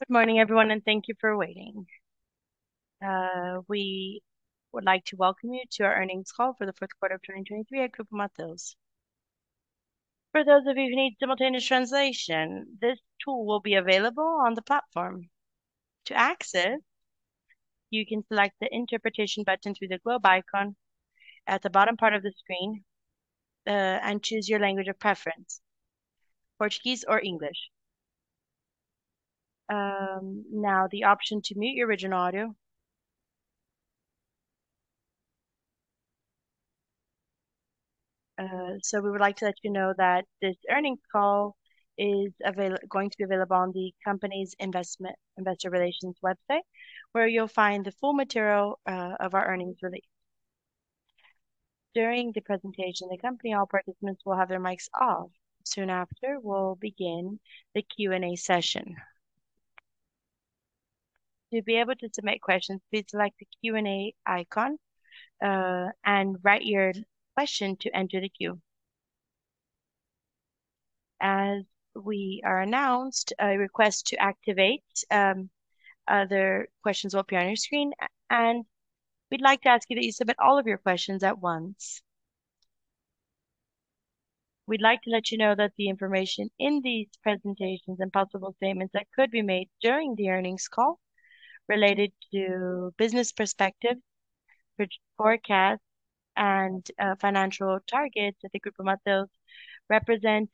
Good morning, everyone, and thank you for waiting. We would like to welcome you to our earnings call for the fourth quarter of 2023 at Grupo Mateus. For those of you who need simultaneous translation, this tool will be available on the platform. To access, you can select the interpretation button through the globe icon at the bottom part of the screen, and choose your language of preference: Portuguese or English. Now the option to mute your original audio. We would like to let you know that this earnings call is available on the company's investor relations website, where you'll find the full material of our earnings release. During the presentation, the company all participants will have their mics off. Soon after, we'll begin the Q&A session. To be able to submit questions, please select the Q&A icon, and write your question to enter the queue. As we are announced, a request to activate other questions will appear on your screen, and we'd like to ask you that you submit all of your questions at once. We'd like to let you know that the information in these presentations and possible statements that could be made during the earnings call related to business perspectives, forecasts, and financial targets at the Grupo Mateus represent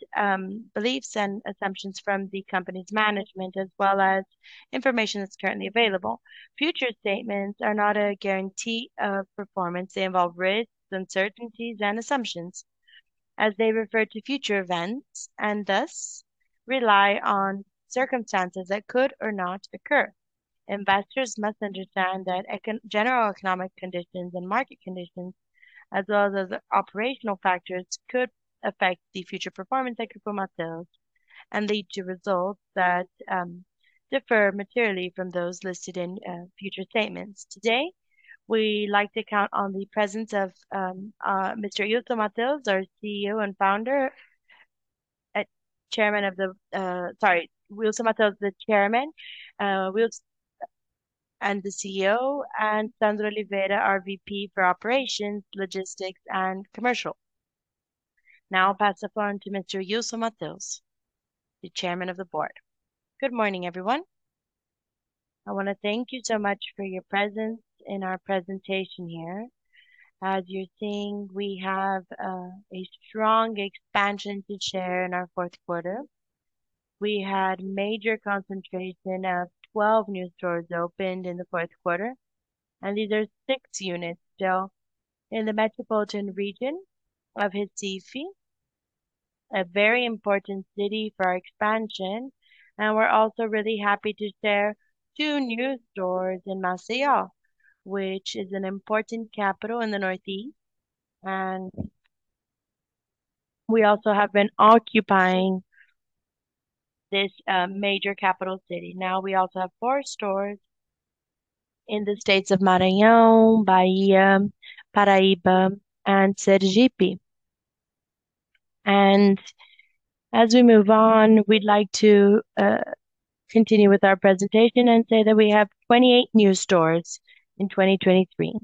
beliefs and assumptions from the company's management as well as information that's currently available. Future statements are not a guarantee of performance. They involve risks, uncertainties, and assumptions. As they refer to future events and thus rely on circumstances that could or not occur, investors must understand that general economic conditions and market conditions, as well as operational factors, could affect the future performance at Grupo Mateus and lead to results that differ materially from those listed in future statements. Today, we like to count on the presence of Mr. Ilson Mateus, our CEO and founder, at chairman of the, sorry, Ilson Mateus is the chairman, Jesuíno is the CEO, and Sandro Oliveira, our VP for operations, logistics, and commercial. Now I'll pass the floor on to Mr. Ilson Mateus, the chairman of the board. Good morning, everyone. I want to thank you so much for your presence in our presentation here. As you're seeing, we have a strong expansion to share in our fourth quarter. We had a major concentration of 12 new stores opened in the fourth quarter, and these are 6 units still in the metropolitan region of Recife, a very important city for our expansion, and we're also really happy to share two new stores in Maceió, which is an important capital in the Northeast, and we also have been occupying this major capital city. Now we also have four stores in the states of Maranhão, Bahia, Paraíba, and Sergipe. As we move on, we'd like to continue with our presentation and say that we have 28 new stores in 2023.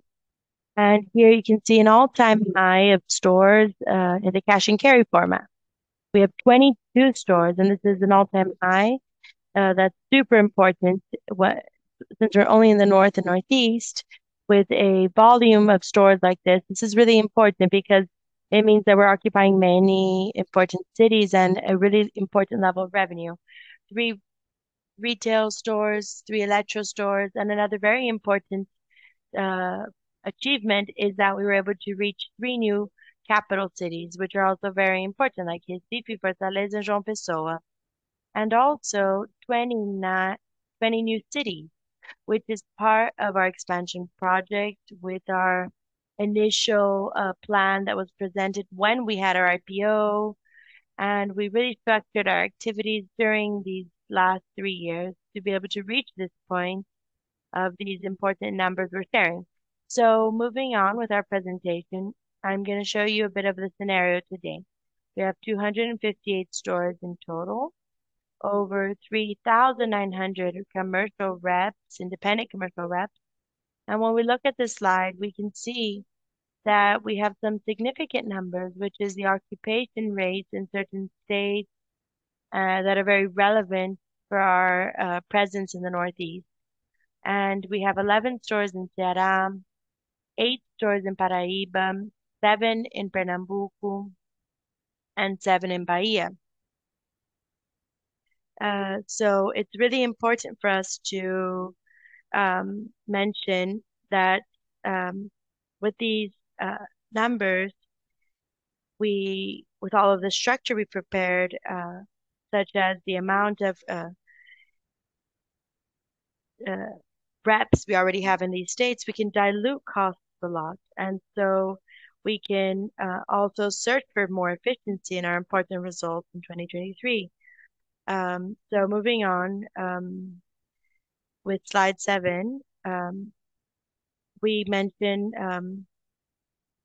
Here you can see an all-time high of stores in the cash and carry format. We have 22 stores, and this is an all-time high, that's super important what since we're only in the North and Northeast with a volume of stores like this. This is really important because it means that we're occupying many important cities and a really important level of revenue. three retail stores, three electrical stores, and another very important achievement is that we were able to reach three new capital cities, which are also very important, like Recife, Fortaleza, and João Pessoa, and also 29 new cities, which is part of our expansion project with our initial plan that was presented when we had our IPO. We really structured our activities during these last three years to be able to reach this point of these important numbers we're sharing. Moving on with our presentation, I'm going to show you a bit of the scenario today. We have 258 stores in total, over 3,900 commercial reps, independent commercial reps. When we look at this slide, we can see that we have some significant numbers, which is the occupation rates in certain states that are very relevant for our presence in the Northeast. We have 11 stores in Ceará, eight stores in Paraíba, seven in Pernambuco, and seven in Bahia. So it's really important for us to mention that with these numbers, we with all of the structure we prepared, such as the amount of reps we already have in these states, can dilute costs a lot. And so we can also search for more efficiency in our important results in 2023. So moving on with slide seven, we mention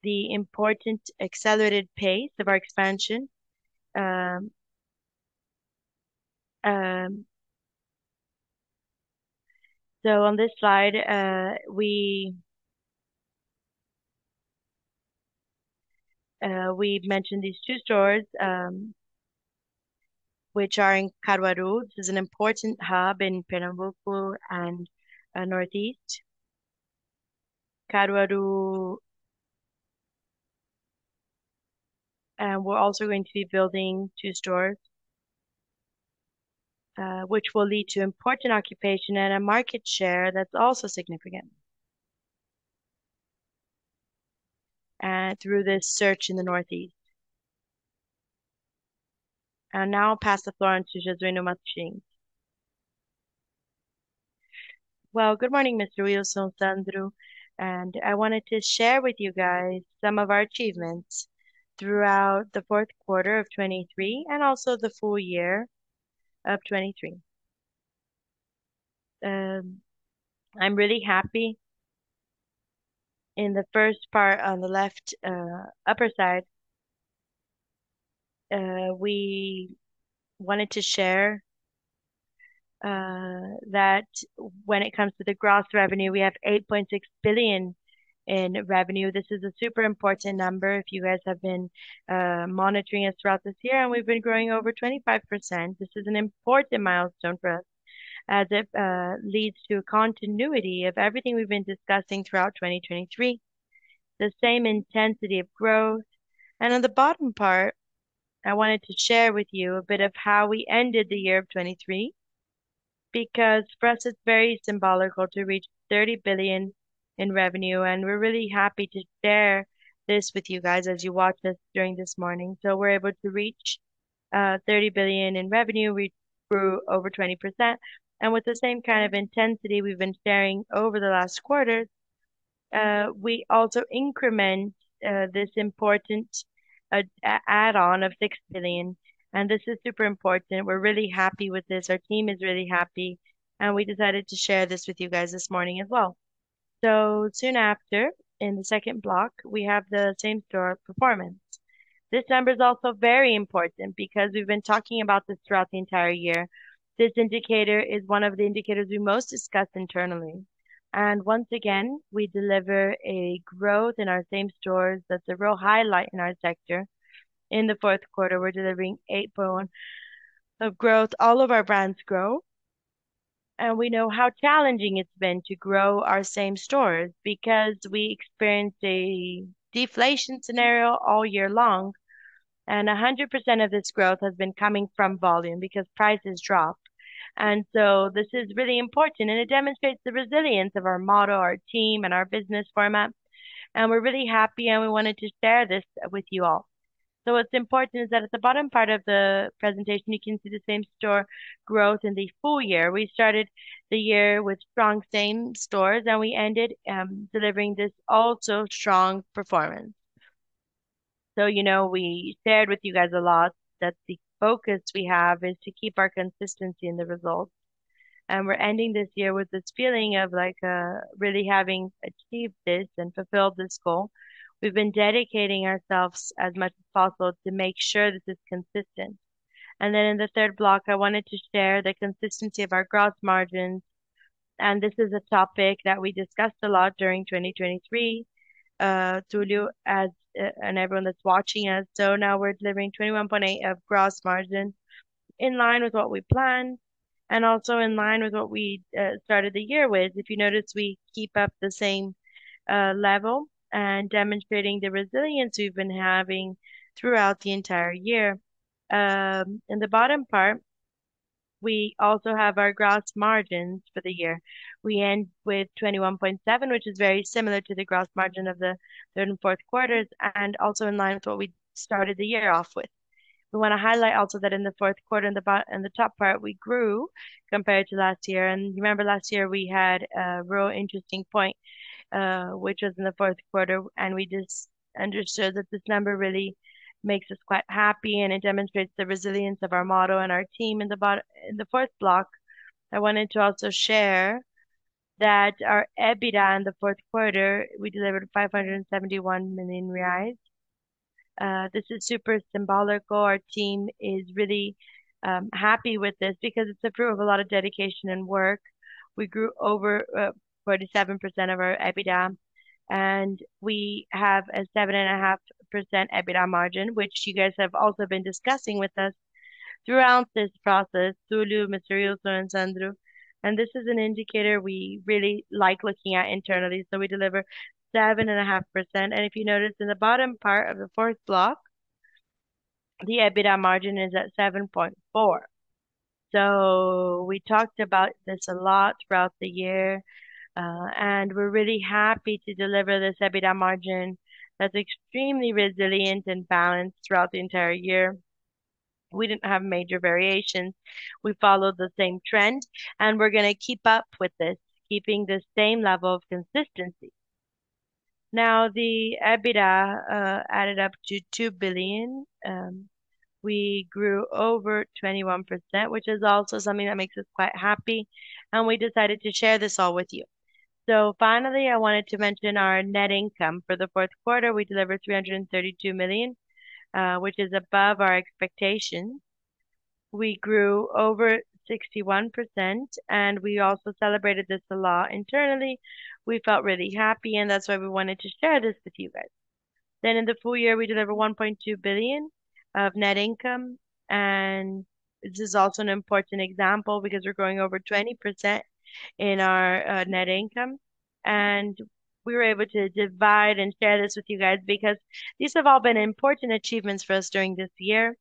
the important accelerated pace of our expansion. So on this slide, we mentioned these two stores, which are in Caruaru. This is an important hub in Pernambuco and Northeast. Caruaru, and we're also going to be building two stores, which will lead to important occupation and a market share that's also significant, through this search in the Northeast. Now I'll pass the floor on to Jesuíno Martins. Well, good morning, Mr. Ilson, Sandro, and I wanted to share with you guys some of our achievements throughout the fourth quarter of 2023 and also the full year of 2023. I'm really happy. In the first part on the left, upper side, we wanted to share, that when it comes to the gross revenue, we have 8.6 billion in revenue. This is a super important number if you guys have been, monitoring us throughout this year, and we've been growing over 25%. This is an important milestone for us as it, leads to a continuity of everything we've been discussing throughout 2023, the same intensity of growth. On the bottom part, I wanted to share with you a bit of how we ended the year of 2023 because for us it's very symbolic to reach 30 billion in revenue, and we're really happy to share this with you guys as you watch us during this morning. We're able to reach 30 billion in revenue, we grew over 20%, and with the same kind of intensity we've been sharing over the last quarter, we also increment this important add-on of 6 billion, and this is super important. We're really happy with this, our team is really happy, and we decided to share this with you guys this morning as well. Soon after, in the second block, we have the same store performance. This number is also very important because we've been talking about this throughout the entire year. This indicator is one of the indicators we most discuss internally. Once again, we deliver a growth in our same stores that's a real highlight in our sector. In the fourth quarter, we're delivering 8 billion of growth, all of our brands grow. We know how challenging it's been to grow our same stores because we experienced a deflation scenario all year long, and 100% of this growth has been coming from volume because prices drop. So this is really important, and it demonstrates the resilience of our model, our team, and our business format. We're really happy, and we wanted to share this with you all. What's important is that at the bottom part of the presentation, you can see the same store growth in the full year. We started the year with strong same stores, and we ended delivering this also strong performance. So, you know, we shared with you guys a lot that the focus we have is to keep our consistency in the results. We're ending this year with this feeling of, like, really having achieved this and fulfilled this goal. We've been dedicating ourselves as much as possible to make sure this is consistent. Then in the third block, I wanted to share the consistency of our gross margins. This is a topic that we discussed a lot during 2023, Túlio, and everyone that's watching us. So now we're delivering 21.8% gross margins in line with what we planned and also in line with what we started the year with. If you notice, we keep up the same level and demonstrating the resilience we've been having throughout the entire year. In the bottom part, we also have our gross margins for the year. We end with 21.7, which is very similar to the gross margin of the third and fourth quarters and also in line with what we started the year off with. We want to highlight also that in the fourth quarter, in the bottom and the top part, we grew compared to last year. And you remember last year we had a real interesting point, which was in the fourth quarter, and we just understood that this number really makes us quite happy, and it demonstrates the resilience of our model and our team in the bottom in the fourth block. I wanted to also share that our EBITDA in the fourth quarter, we delivered 571 million reais. This is super symbolical. Our team is really happy with this because it's a proof of a lot of dedication and work. We grew over 47% of our EBITDA, and we have a 7.5% EBITDA margin, which you guys have also been discussing with us throughout this process, Túlio, Mr. Ilson, and Sandro. This is an indicator we really like looking at internally, so we deliver 7.5%. And if you notice in the bottom part of the fourth block, the EBITDA margin is at 7.4%. So we talked about this a lot throughout the year, and we're really happy to deliver this EBITDA margin that's extremely resilient and balanced throughout the entire year. We didn't have major variations. We followed the same trend, and we're going to keep up with this, keeping the same level of consistency. Now, the EBITDA added up to 2 billion. We grew over 21%, which is also something that makes us quite happy, and we decided to share this all with you. So finally, I wanted to mention our net income for the fourth quarter. We delivered 332 million, which is above our expectations. We grew over 61%, and we also celebrated this a lot internally. We felt really happy, and that's why we wanted to share this with you guys. Then in the full year, we delivered 1.2 billion of net income, and this is also an important example because we're growing over 20% in our net income. And we were able to divide and share this with you guys because these have all been important achievements for us during this year,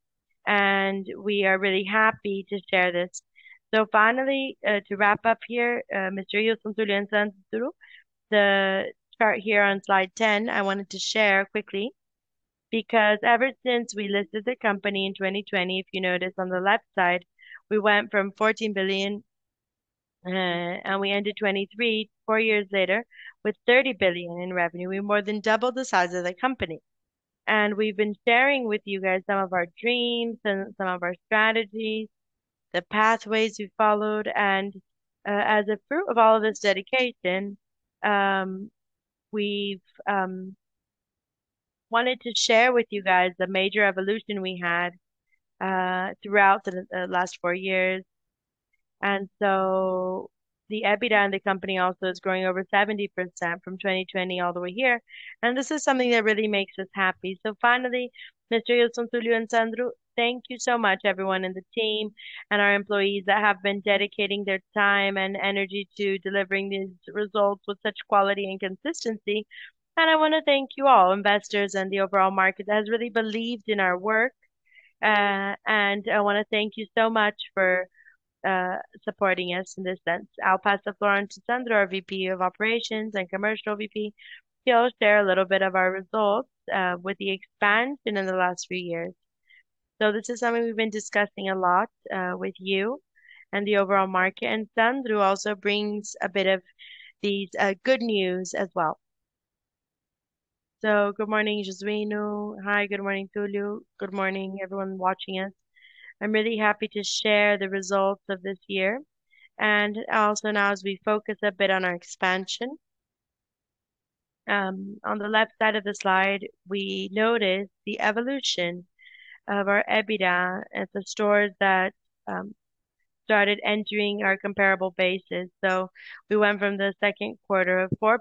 and we are really happy to share this. So finally, to wrap up here, Mr. Ilson, Túlio, and Sandro, the chart here on slide 10, I wanted to share quickly because ever since we listed the company in 2020, if you notice on the left side, we went from 14 billion, and we ended 2023, four years later, with 30 billion in revenue. We more than doubled the size of the company. We've been sharing with you guys some of our dreams and some of our strategies, the pathways we followed, and, as a fruit of all of this dedication, we've wanted to share with you guys the major evolution we had throughout the last four years. The EBITDA in the company also is growing over 70% from 2020 all the way here. This is something that really makes us happy. So finally, Mr. Ilson, Túlio and Sandro, thank you so much, everyone in the team and our employees that have been dedicating their time and energy to delivering these results with such quality and consistency. I want to thank you all, investors and the overall market that has really believed in our work. And I want to thank you so much for supporting us in this sense. I'll pass the floor on to Sandro, our VP of Operations and Commercial VP. He'll share a little bit of our results, with the expansion in the last three years. So this is something we've been discussing a lot, with you and the overall market. And Sandro also brings a bit of these good news as well. So good morning, Jesuíno. Hi, good morning, Túlio. Good morning, everyone watching us. I'm really happy to share the results of this year. Also now, as we focus a bit on our expansion, on the left side of the slide, we notice the evolution of our EBITDA at the stores that started entering our comparable basis. So we went from the second quarter of 4%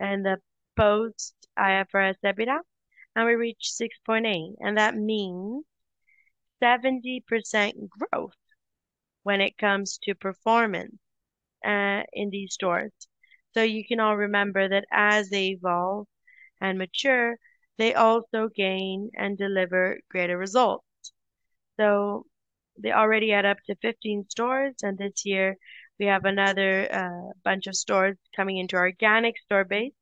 and the post-IFRS EBITDA, and we reached 6.8%. And that means 70% growth when it comes to performance in these stores. So you can all remember that as they evolve and mature, they also gain and deliver greater results. So they already add up to 15 stores, and this year we have another bunch of stores coming into our organic store base.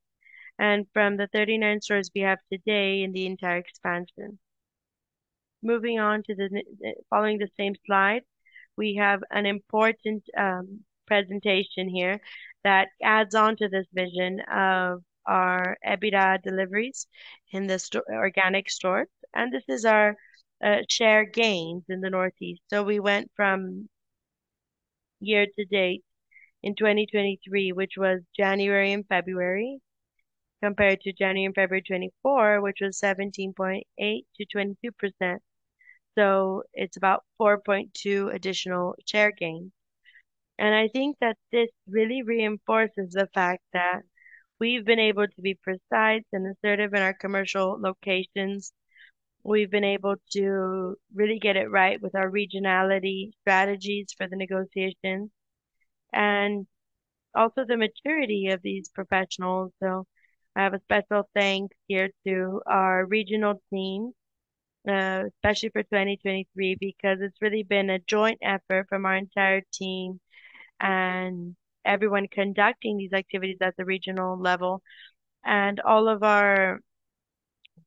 And from the 39 stores we have today in the entire expansion, moving on to the following the same slide, we have an important presentation here that adds on to this vision of our EBITDA deliveries in the organic stores. This is our share gains in the Northeast. So we went from year to date in 2023, which was January and February, compared to January and February 2024, which was 17.8% to 22%. So it's about 4.2% additional share gains. And I think that this really reinforces the fact that we've been able to be precise and assertive in our commercial locations. We've been able to really get it right with our regionality strategies for the negotiations and also the maturity of these professionals. So I have a special thanks here to our regional team, especially for 2023, because it's really been a joint effort from our entire team and everyone conducting these activities at the regional level and all of our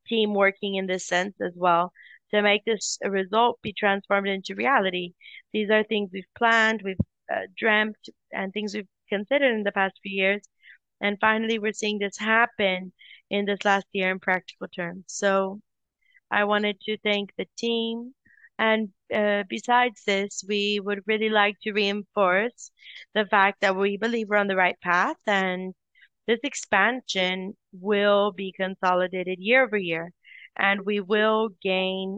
team working in this sense as well to make this result be transformed into reality. These are things we've planned, we've dreamt, and things we've considered in the past few years. Finally, we're seeing this happen in this last year in practical terms. I wanted to thank the team. Besides this, we would really like to reinforce the fact that we believe we're on the right path, and this expansion will be consolidated year over year. We will gain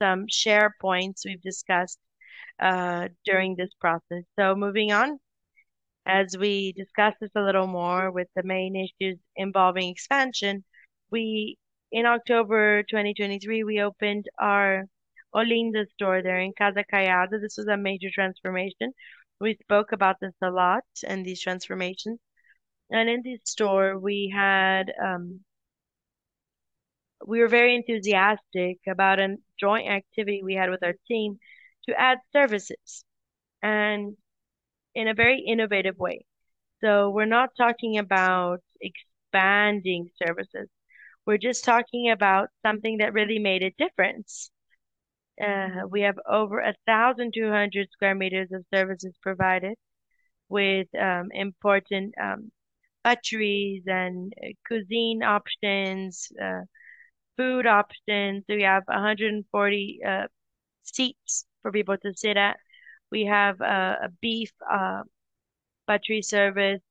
some share points we've discussed during this process. Moving on, as we discuss this a little more with the main issues involving expansion, we in October 2023, we opened our Olinda store there in Casa Caiada. This was a major transformation. We spoke about this a lot and these transformations. In this store, we had, we were very enthusiastic about a joint activity we had with our team to add services and in a very innovative way. So we're not talking about expanding services. We're just talking about something that really made a difference. We have over 1,200 square meters of services provided with important butcheries and cuisine options, food options. We have 140 seats for people to sit at. We have a beef butchery service,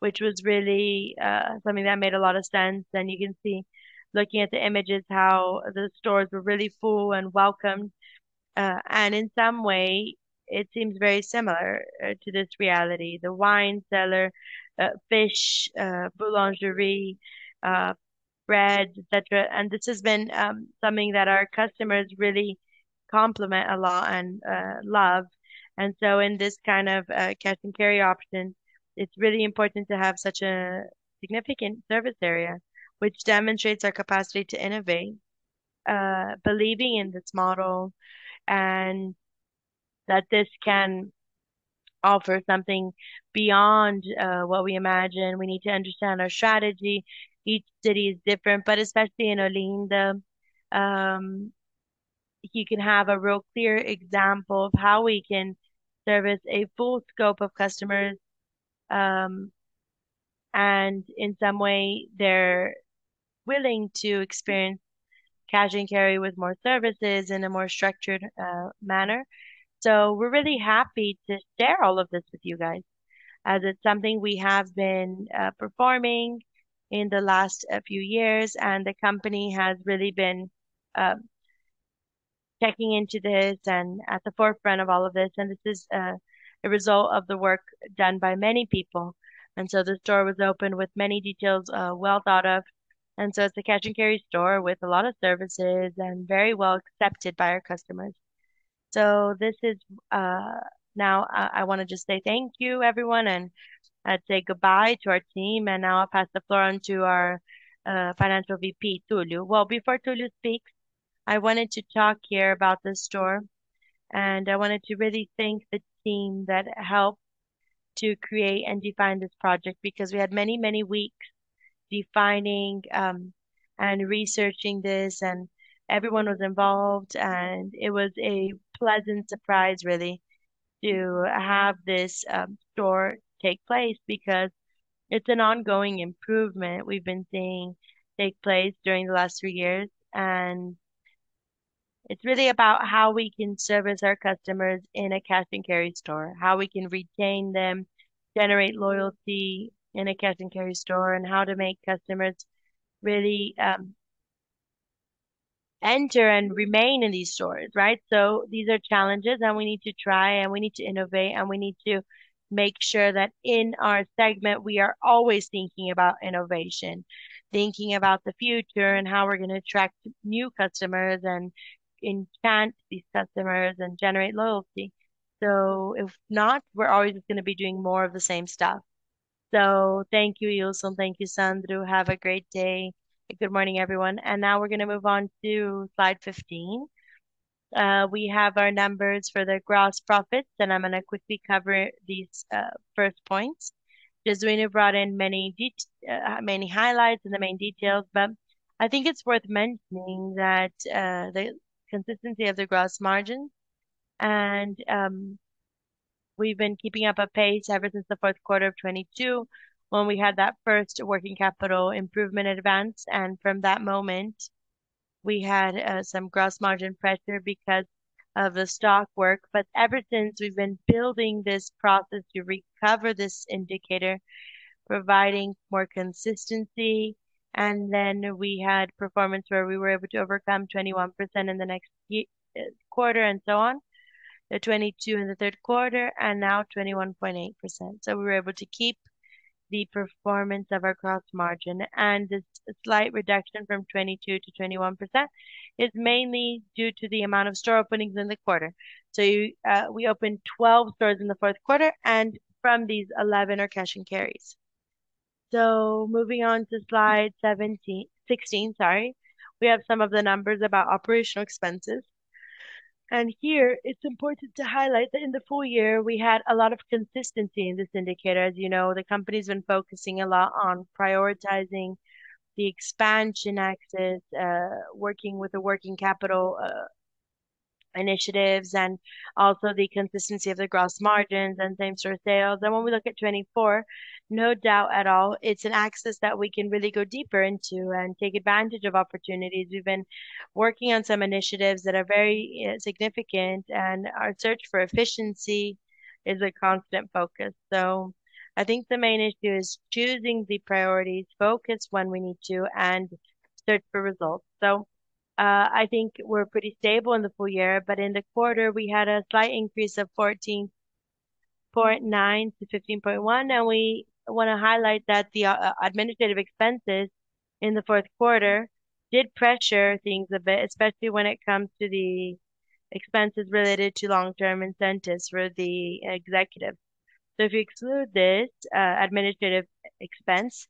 which was really something that made a lot of sense. You can see looking at the images how the stores were really full and welcomed. In some way, it seems very similar to this reality. The wine cellar, fish, boulangerie, bread, etc. This has been something that our customers really compliment a lot and love. So in this kind of cash and carry option, it's really important to have such a significant service area, which demonstrates our capacity to innovate, believing in this model and that this can offer something beyond what we imagine. We need to understand our strategy. Each city is different, but especially in Olinda, you can have a real clear example of how we can service a full scope of customers, and in some way, they're willing to experience cash and carry with more services in a more structured manner. We're really happy to share all of this with you guys as it's something we have been performing in the last few years. The company has really been checking into this and at the forefront of all of this. This is a result of the work done by many people. The store was opened with many details, well thought of. It's a cash and carry store with a lot of services and very well accepted by our customers. So, this is now. I want to just say thank you, everyone, and I'd say goodbye to our team. Now I'll pass the floor on to our Financial VP, Túlio. Well, before Túlio speaks, I wanted to talk here about the store. I wanted to really thank the team that helped to create and define this project because we had many, many weeks defining and researching this. Everyone was involved. It was a pleasant surprise, really, to have this store take place because it's an ongoing improvement we've been seeing take place during the last three years. It's really about how we can service our customers in a cash and carry store, how we can retain them, generate loyalty in a cash and carry store, and how to make customers really enter and remain in these stores, right? So these are challenges, and we need to try, and we need to innovate, and we need to make sure that in our segment, we are always thinking about innovation, thinking about the future and how we're going to attract new customers and enchant these customers and generate loyalty. So if not, we're always going to be doing more of the same stuff. So thank you, Ilson. Thank you, Sandro. Have a great day. Good morning, everyone. And now we're going to move on to slide 15. We have our numbers for the gross profits, and I'm going to quickly cover these first points. Jesuíno brought in many, many highlights and the main details, but I think it's worth mentioning that the consistency of the gross margins. We've been keeping up a pace ever since the fourth quarter of 2022 when we had that first working capital improvement advance. From that moment, we had some gross margin pressure because of the stock work. But ever since we've been building this process to recover this indicator, providing more consistency, and then we had performance where we were able to overcome 21% in the next quarter and so on, the 2022 and the third quarter, and now 21.8%. So we were able to keep the performance of our gross margin. This slight reduction from 22%-21% is mainly due to the amount of store openings in the quarter. So you, we opened 12 stores in the fourth quarter, and from these 11 are cash and carries. So moving on to slide 17, 16, sorry. We have some of the numbers about operational expenses. Here, it's important to highlight that in the full year, we had a lot of consistency in this indicator. As you know, the company's been focusing a lot on prioritizing the expansion axis, working with the working capital, initiatives, and also the consistency of the gross margins and same-store sales. And when we look at 2024, no doubt at all, it's an axis that we can really go deeper into and take advantage of opportunities. We've been working on some initiatives that are very significant, and our search for efficiency is a constant focus. So I think the main issue is choosing the priorities, focus when we need to, and search for results. So, I think we're pretty stable in the full year, but in the quarter, we had a slight increase of 14.9%-15.1%. We want to highlight that the administrative expenses in the fourth quarter did pressure things a bit, especially when it comes to the expenses related to long-term incentives for the executives. If you exclude this administrative expense,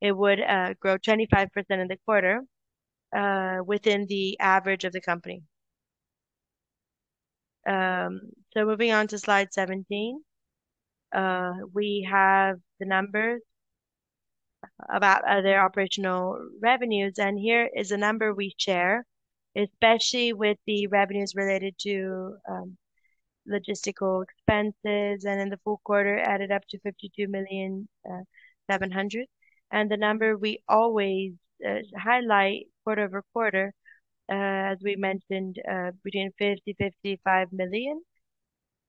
it would grow 25% in the quarter, within the average of the company. Moving on to slide 17, we have the numbers about other operational revenues. Here is a number we share, especially with the revenues related to logistical expenses. In the full quarter, added up to 52.7 million. The number we always highlight quarter-over-quarter, as we mentioned, between 50 million and 55 million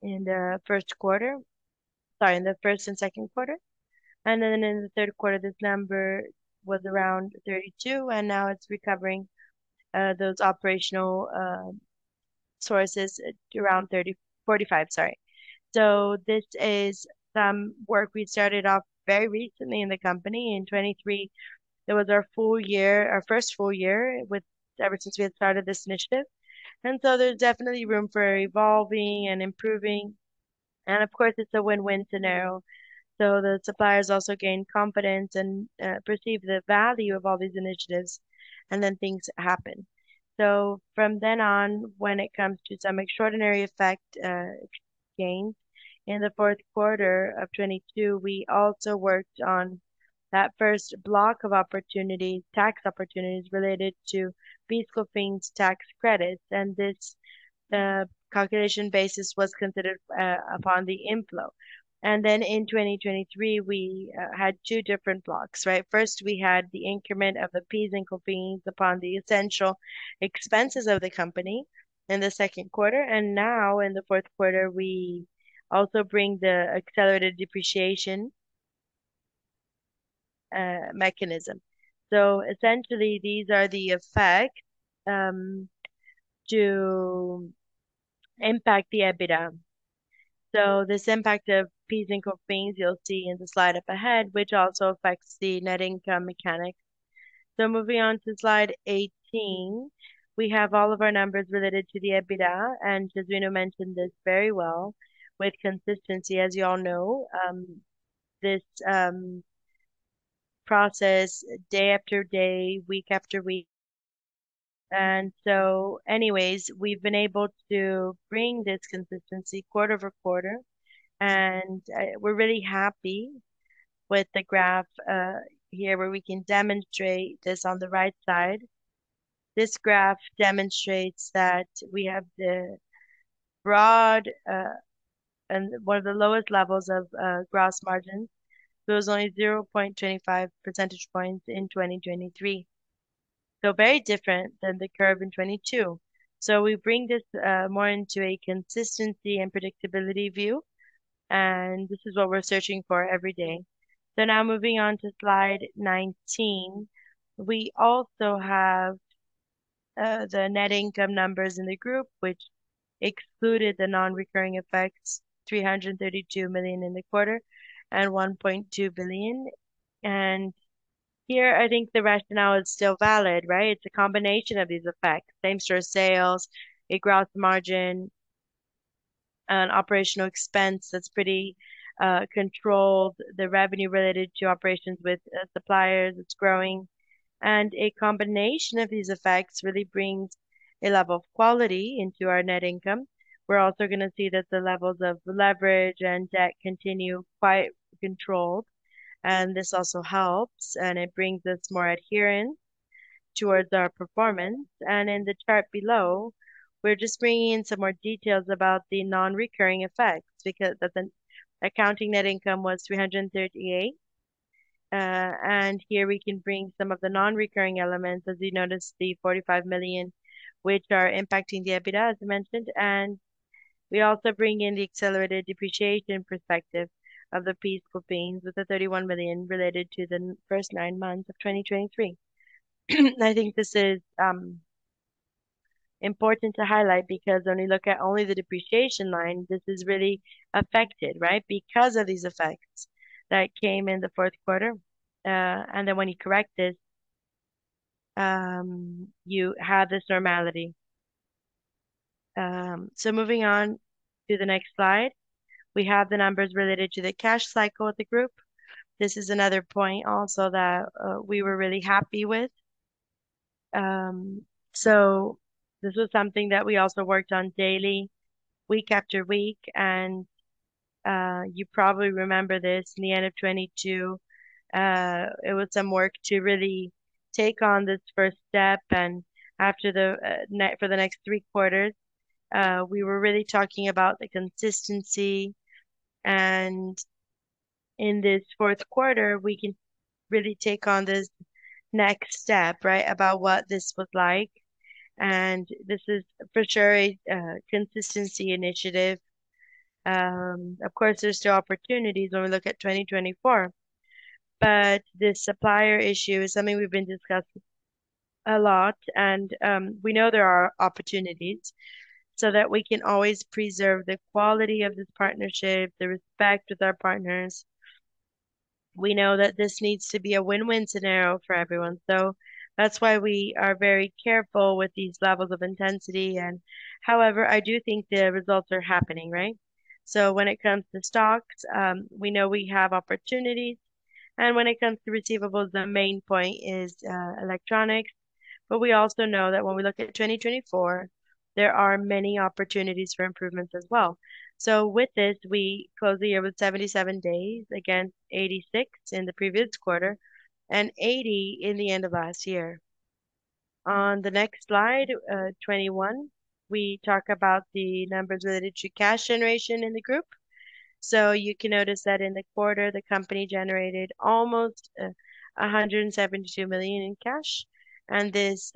in the first quarter, sorry, in the first and second quarter. Then in the third quarter, this number was around 32 million, and now it's recovering those operational sources around 30 million-45 million, sorry. So this is some work we started off very recently in the company. In 2023, it was our full year, our first full year with ever since we had started this initiative. And so there's definitely room for evolving and improving. And of course, it's a win-win scenario. So the suppliers also gain confidence and perceive the value of all these initiatives, and then things happen. So from then on, when it comes to some extraordinary effect, gains in the fourth quarter of 2022, we also worked on that first block of opportunities, tax opportunities related to fiscal finance tax credits. And this calculation basis was considered upon the inflow. And then in 2023, we had two different blocks, right? First, we had the increment of the PIS and COFINS upon the essential expenses of the company in the second quarter. Now in the fourth quarter, we also bring the accelerated depreciation mechanism. Essentially, these are the effects to impact the EBITDA. This impact of PIS/COFINS, you'll see in the slide up ahead, which also affects the net income mechanics. Moving on to slide 18, we have all of our numbers related to the EBITDA. Jesuíno mentioned this very well with consistency, as you all know, this process day after day, week after week. Anyways, we've been able to bring this consistency quarter over quarter. We're really happy with the graph here where we can demonstrate this on the right side. This graph demonstrates that we have the broad and one of the lowest levels of gross margins. It was only 0.25 percentage points in 2023. Very different than the curve in 2022. We bring this more into a consistency and predictability view. This is what we're searching for every day. Now moving on to slide 19, we also have the net income numbers in the group, which excluded the non-recurring effects. 332 million in the quarter and 1.2 billion. Here, I think the rationale is still valid, right? It's a combination of these effects, same-store sales, a gross margin, an operational expense that's pretty controlled, the revenue related to operations with suppliers that's growing. A combination of these effects really brings a level of quality into our net income. We're also going to see that the levels of leverage and debt continue quite controlled. This also helps, and it brings us more adherence towards our performance. In the chart below, we're just bringing in some more details about the non-recurring effects because the accounting net income was 338 million. And here we can bring some of the non-recurring elements, as you noticed, the 45 million, which are impacting the EBITDA, as I mentioned. And we also bring in the accelerated depreciation perspective of the PIS/COFINS with the 31 million related to the first nine months of 2023. I think this is important to highlight because when we look at only the depreciation line, this is really affected, right, because of these effects that came in the fourth quarter. And then when you correct this, you have this normality. So moving on to the next slide, we have the numbers related to the cash cycle of the group. This is another point also that we were really happy with. So this was something that we also worked on daily, week after week. You probably remember this; in the end of 2022, it was some work to really take on this first step. After the, for the next three quarters, we were really talking about the consistency. In this fourth quarter, we can really take on this next step, right, about what this was like. This is for sure a consistency initiative. Of course, there's still opportunities when we look at 2024. But this supplier issue is something we've been discussing a lot. We know there are opportunities so that we can always preserve the quality of this partnership, the respect with our partners. We know that this needs to be a win-win scenario for everyone. So that's why we are very careful with these levels of intensity. However, I do think the results are happening, right? So when it comes to stocks, we know we have opportunities. And when it comes to receivables, the main point is electronics. But we also know that when we look at 2024, there are many opportunities for improvements as well. So with this, we close the year with 77 days against 86 in the previous quarter and 80 in the end of last year. On the next slide 21, we talk about the numbers related to cash generation in the group. So you can notice that in the quarter, the company generated almost 172 million in cash. And this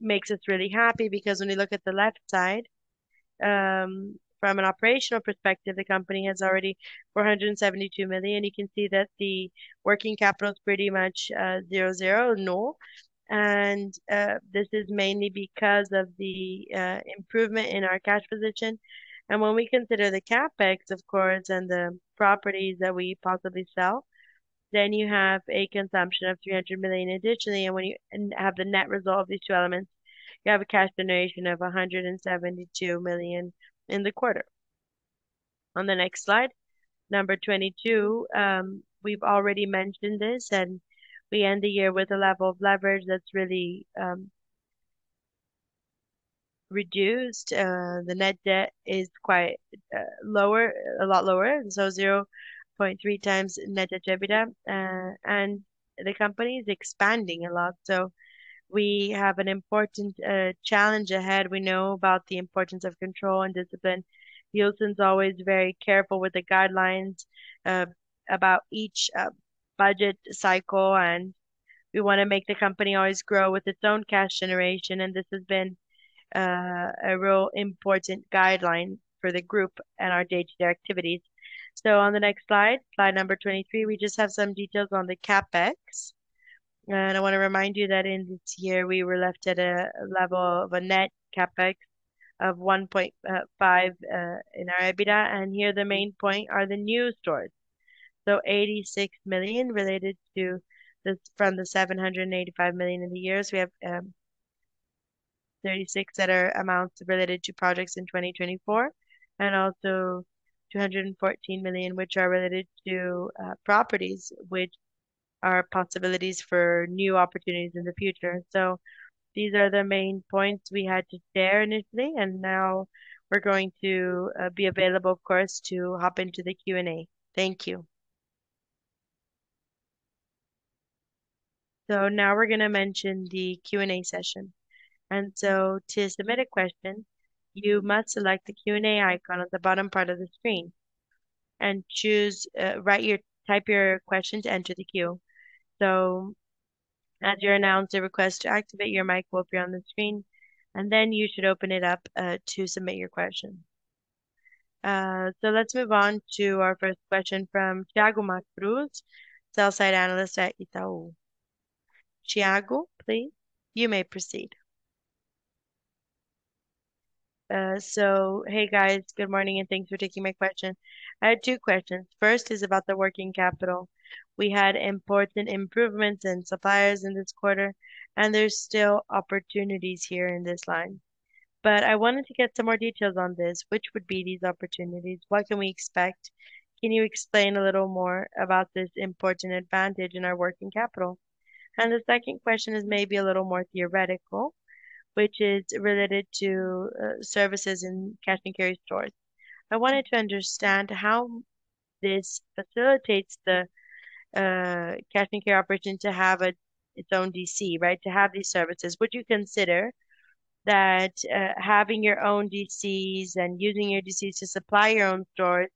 makes us really happy because when you look at the left side, from an operational perspective, the company has already 472 million. You can see that the working capital is pretty much zero, zero, null. This is mainly because of the improvement in our cash position. When we consider the CapEx, of course, and the properties that we possibly sell, then you have a consumption of 300 million additionally. When you have the net result of these two elements, you have a cash generation of 172 million in the quarter. On the next slide, number 22, we've already mentioned this. We end the year with a level of leverage that's really reduced. The net debt is quite lower, a lot lower, so 0.3x net debt to EBITDA. And the company is expanding a lot. So we have an important challenge ahead. We know about the importance of control and discipline. Wilson's always very careful with the guidelines, about each budget cycle. We want to make the company always grow with its own cash generation. This has been a real important guideline for the group and our day-to-day activities. On the next slide, slide number 23, we just have some details on the CapEx. I want to remind you that in this year, we were left at a level of a net CapEx of 1.5x our EBITDA. Here, the main point are the new stores. So 86 million related to this from the 785 million in the years. We have 36 that are amounts related to projects in 2024, and also 214 million, which are related to properties, which are possibilities for new opportunities in the future. So these are the main points we had to share initially. Now we're going to be available, of course, to hop into the Q&A. Thank you. Now we're going to mention the Q&A session. To submit a question, you must select the Q&A icon at the bottom part of the screen and choose, write your, type your question to enter the queue. So as you're announced, the request to activate your mic will appear on the screen. And then you should open it up to submit your question. So let's move on to our first question from Thiago Macruz, sell-side analyst at Itaú. Thiago, please, you may proceed. So hey guys, good morning and thanks for taking my question. I had two questions. First is about the working capital. We had important improvements in suppliers in this quarter, and there's still opportunities here in this line. But I wanted to get some more details on this. Which would be these opportunities? What can we expect? Can you explain a little more about this important advantage in our working capital? The second question is maybe a little more theoretical, which is related to services in cash and carry stores. I wanted to understand how this facilitates the cash and carry opportunity to have its own DC, right? To have these services. Would you consider that having your own DCs and using your DCs to supply your own stores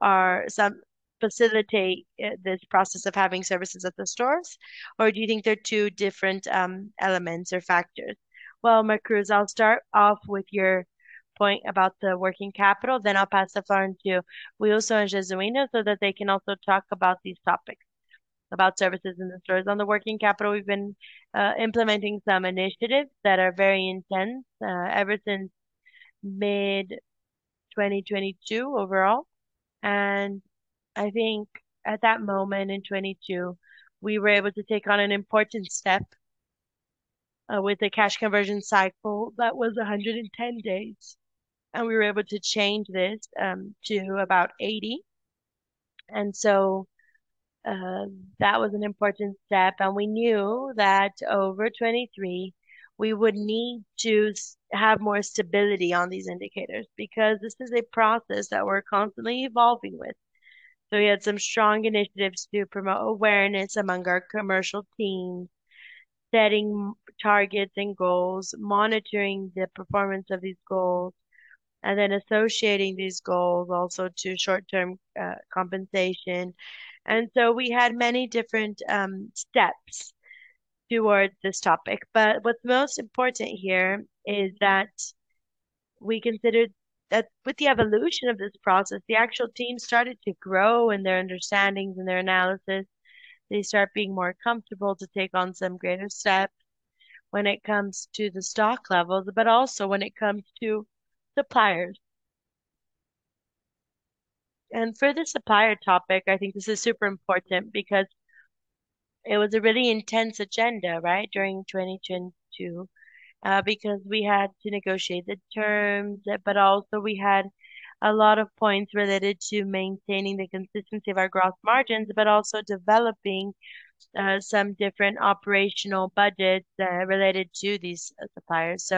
are some facilitate this process of having services at the stores? Or do you think they're two different elements or factors? Well, Macruz, I'll start off with your point about the working capital. Then I'll pass the floor to Ilson and Jesuíno so that they can also talk about these topics, about services in the stores. On the working capital, we've been implementing some initiatives that are very intense ever since mid-2022 overall. I think at that moment in 2022, we were able to take on an important step, with the cash conversion cycle that was 110 days. We were able to change this, to about 80. So, that was an important step. We knew that over 2023, we would need to have more stability on these indicators because this is a process that we're constantly evolving with. We had some strong initiatives to promote awareness among our commercial teams, setting targets and goals, monitoring the performance of these goals, and then associating these goals also to short-term compensation. We had many different steps towards this topic. But what's most important here is that we considered that with the evolution of this process, the actual team started to grow in their understandings and their analysis. They start being more comfortable to take on some greater steps when it comes to the stock levels, but also when it comes to suppliers. For the supplier topic, I think this is super important because it was a really intense agenda, right, during 2022, because we had to negotiate the terms, but also we had a lot of points related to maintaining the consistency of our gross margins, but also developing some different operational budgets related to these suppliers.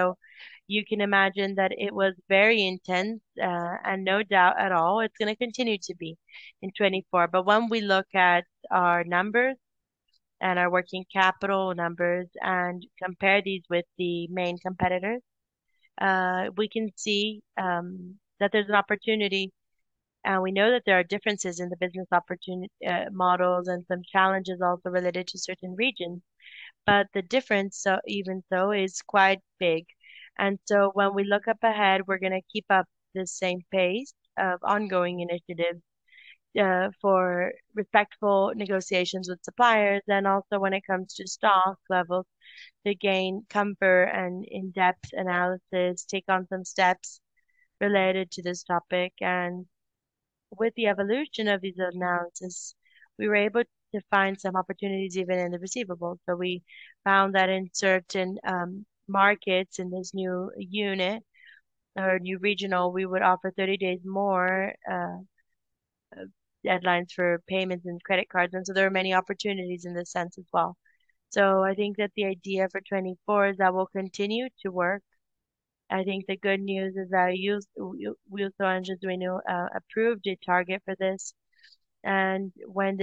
You can imagine that it was very intense, and no doubt at all it's going to continue to be in 2024. When we look at our numbers and our working capital numbers and compare these with the main competitors, we can see that there's an opportunity. We know that there are differences in the business opportunity, models and some challenges also related to certain regions. But the difference, so even so, is quite big. And so when we look up ahead, we're going to keep up the same pace of ongoing initiatives, for respectful negotiations with suppliers. And also when it comes to stock levels, to gain comfort and in-depth analysis, take on some steps related to this topic. And with the evolution of these analyses, we were able to find some opportunities even in the receivables. So we found that in certain markets in this new unit or new regional, we would offer 30 days more deadlines for payments and credit cards. And so there were many opportunities in this sense as well. So I think that the idea for 2024 is that we'll continue to work. I think the good news is that Ilson and Jesuíno approved a target for this. And when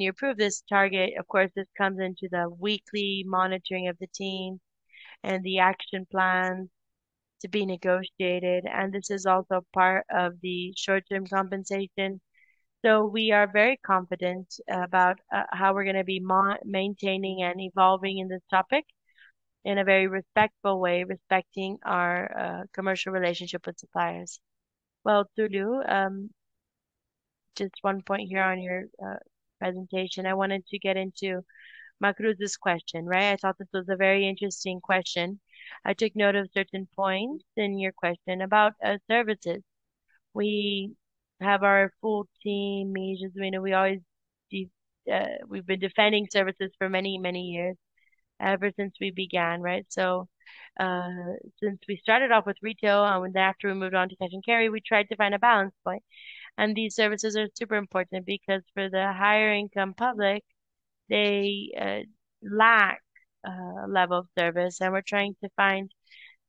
you approve this target, of course, this comes into the weekly monitoring of the team and the action plan to be negotiated. And this is also part of the short-term compensation. So we are very confident about how we're going to be maintaining and evolving in this topic in a very respectful way, respecting our commercial relationship with suppliers. Well, Túlio, just one point here on your presentation. I wanted to get into Macruz's question, right? I thought this was a very interesting question. I took note of certain points in your question about services. We have our full team, me, Jesuíno, we always do, we've been defending services for many, many years, ever since we began, right? So, since we started off with retail, and then after we moved on to cash and carry, we tried to find a balance point. These services are super important because for the higher income public, they lack a level of service. We're trying to find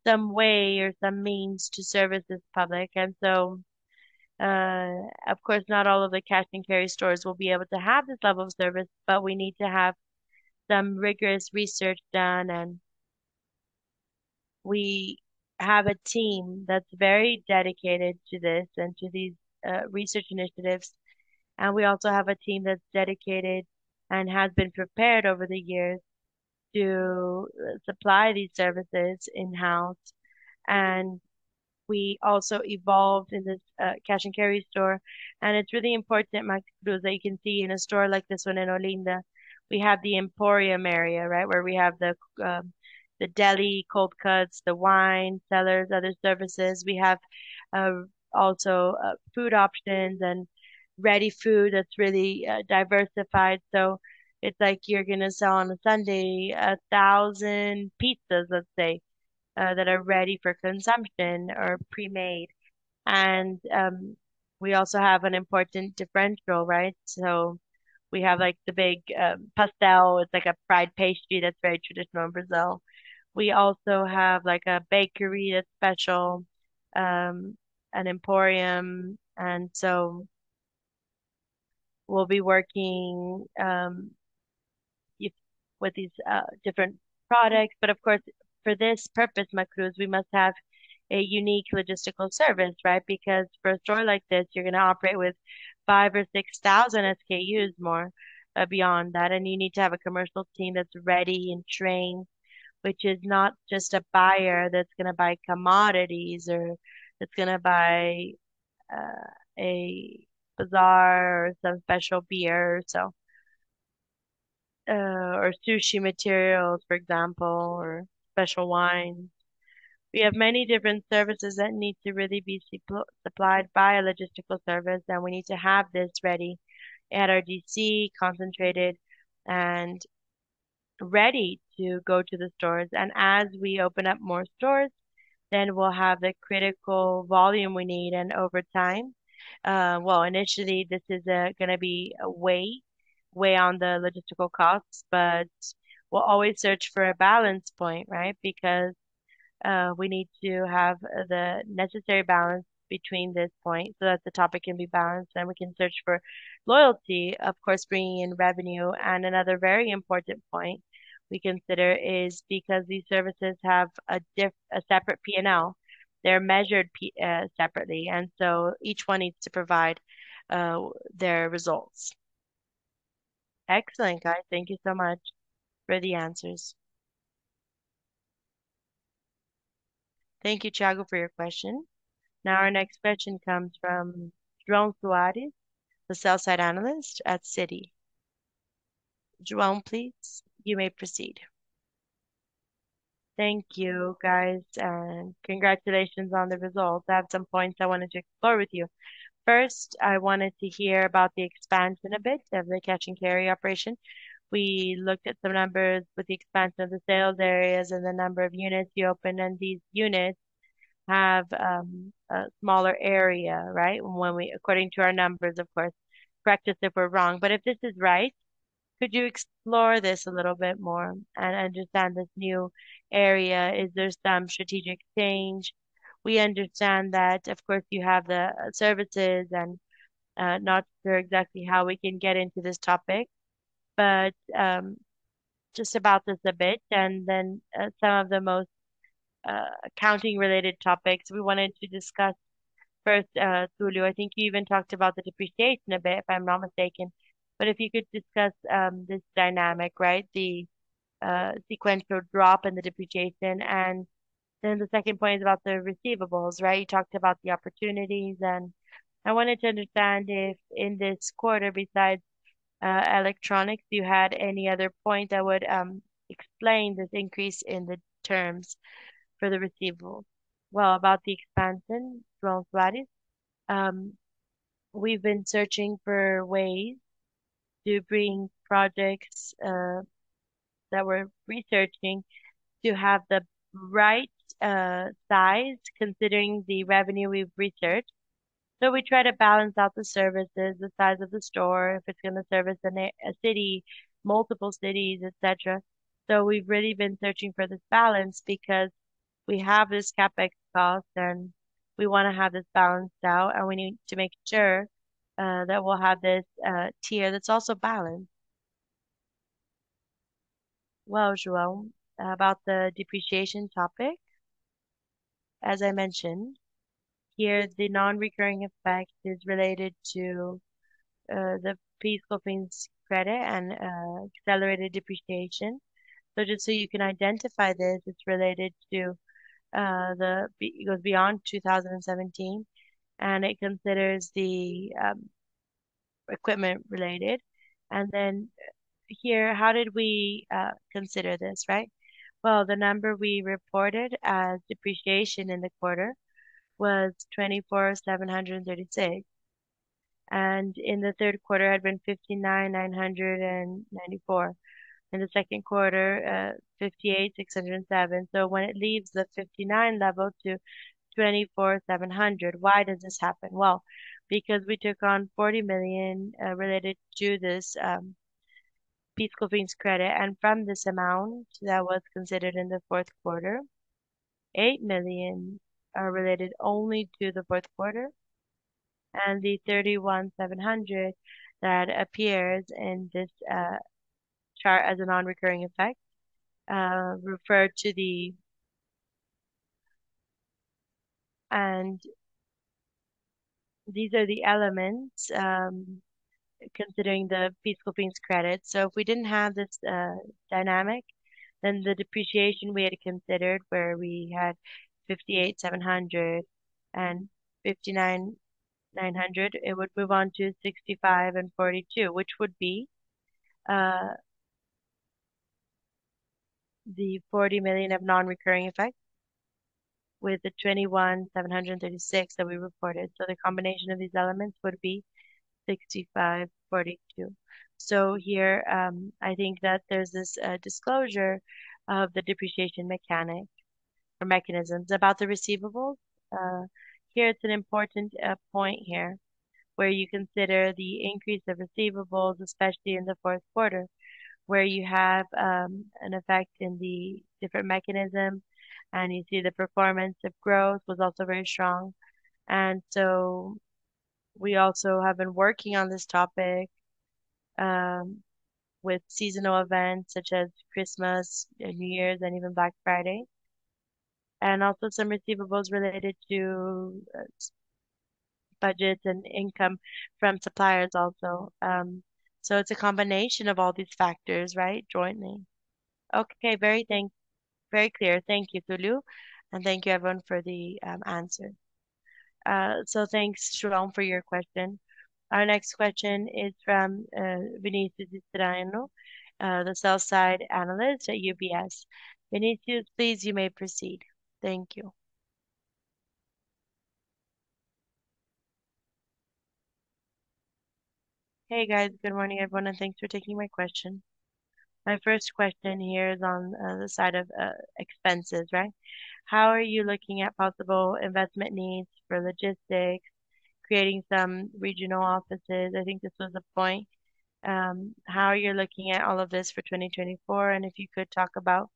some way or some means to service this public. So, of course, not all of the cash and carry stores will be able to have this level of service, but we need to have some rigorous research done. We have a team that's very dedicated to this and to these research initiatives. We also have a team that's dedicated and has been prepared over the years to supply these services in-house. We also evolved in this cash and carry store. It's really important, Macruz, that you can see in a store like this one in Olinda, we have the Emporium area, right, where we have the deli cold cuts, the wine cellars, other services. We have also food options and ready food that's really diversified. So it's like you're going to sell on a Sunday 1,000 pizzas, let's say, that are ready for consumption or pre-made. We also have an important differential, right? So we have like the big pastel. It's like a fried pastry that's very traditional in Brazil. We also have like a bakery that's special, an emporium. And so we'll be working with these different products. But of course, for this purpose, Macruz, we must have a unique logistical service, right? Because for a store like this, you're going to operate with 5,000 or 6,000 SKUs more, beyond that. And you need to have a commercial team that's ready and trained, which is not just a buyer that's going to buy commodities or that's going to buy a bazaar or some special beer. So, or sushi materials, for example, or special wines. We have many different services that need to really be supplied by a logistical service. And we need to have this ready at our DC, concentrated, and ready to go to the stores. And as we open up more stores, then we'll have the critical volume we need. And over time, well, initially, this is going to be a weight, weigh on the logistical costs. But we'll always search for a balance point, right? Because, we need to have the necessary balance between this point so that the topic can be balanced. And we can search for loyalty, of course, bringing in revenue. And another very important point we consider is because these services have a different, a separate P&L. They're measured, separately. And so each one needs to provide, their results. Excellent, guys. Thank you so much for the answers. Thank you, Thiago, for your question. Now our next question comes from João Soares, the sell-side analyst at Citi. João, please, you may proceed. Thank you, guys, and congratulations on the results. I have some points I wanted to explore with you. First, I wanted to hear about the expansion a bit of the cash and carry operation. We looked at some numbers with the expansion of the sales areas and the number of units you open. And these units have a smaller area, right? When we, according to our numbers, of course, correct us if we're wrong. But if this is right, could you explore this a little bit more and understand this new area? Is there some strategic change? We understand that, of course, you have the services and, not sure exactly how we can get into this topic, but just about this a bit. And then, some of the most accounting-related topics we wanted to discuss. First, Túlio, I think you even talked about the depreciation a bit, if I'm not mistaken. But if you could discuss this dynamic, right, the sequential drop and the depreciation. And then the second point is about the receivables, right? You talked about the opportunities. And I wanted to understand if in this quarter, besides electronics, you had any other point that would explain this increase in the terms for the receivables. Well, about the expansion, João Soares, we've been searching for ways to bring projects that we're researching to have the right size considering the revenue we've researched. So we try to balance out the services, the size of the store, if it's going to service a city, multiple cities, etc. So we've really been searching for this balance because we have this CapEx cost and we want to have this balanced out. And we need to make sure that we'll have this tier that's also balanced. Well, João, about the depreciation topic, as I mentioned here, the non-recurring effect is related to the peaceful things credit and accelerated depreciation. So just so you can identify this, it's related to the it goes beyond 2017. And it considers the equipment related. And then here, how did we consider this, right? Well, the number we reported as depreciation in the quarter was 24,736. And in the third quarter, it had been 59,994. In the second quarter, 58,607. So when it leaves the 59 level to 24,700, why does this happen? Well, because we took on 40 million related to this peaceful things credit. From this amount that was considered in the fourth quarter, 8 million are related only to the fourth quarter. The 31,700 that appears in this chart as a non-recurring effect refer to the. And these are the elements, considering the PIS/COFINS credit. So if we didn't have this dynamic, then the depreciation we had considered where we had 58,700 and 59,900, it would move on to 65 and 42, which would be the 40 million of non-recurring effect with the 21,736 that we reported. So the combination of these elements would be 65.42. So here, I think that there's this disclosure of the depreciation mechanic or mechanisms about the receivables. Here, it's an important point here where you consider the increase of receivables, especially in the fourth quarter, where you have an effect in the different mechanisms. You see the performance of growth was also very strong. So we also have been working on this topic, with seasonal events such as Christmas, New Year's, and even Black Friday. And also some receivables related to budgets and income from suppliers also. So it's a combination of all these factors, right, jointly. Okay, very thanks. Very clear. Thank you, Túlio. And thank you, everyone, for the answer. So thanks, João, for your question. Our next question is from Vinícius Strano, the sell-side analyst at UBS. Vinícius, please, you may proceed. Thank you. Hey, guys. Good morning, everyone. And thanks for taking my question. My first question here is on the side of expenses, right? How are you looking at possible investment needs for logistics, creating some regional offices? I think this was a point. How are you looking at all of this for 2024? If you could talk about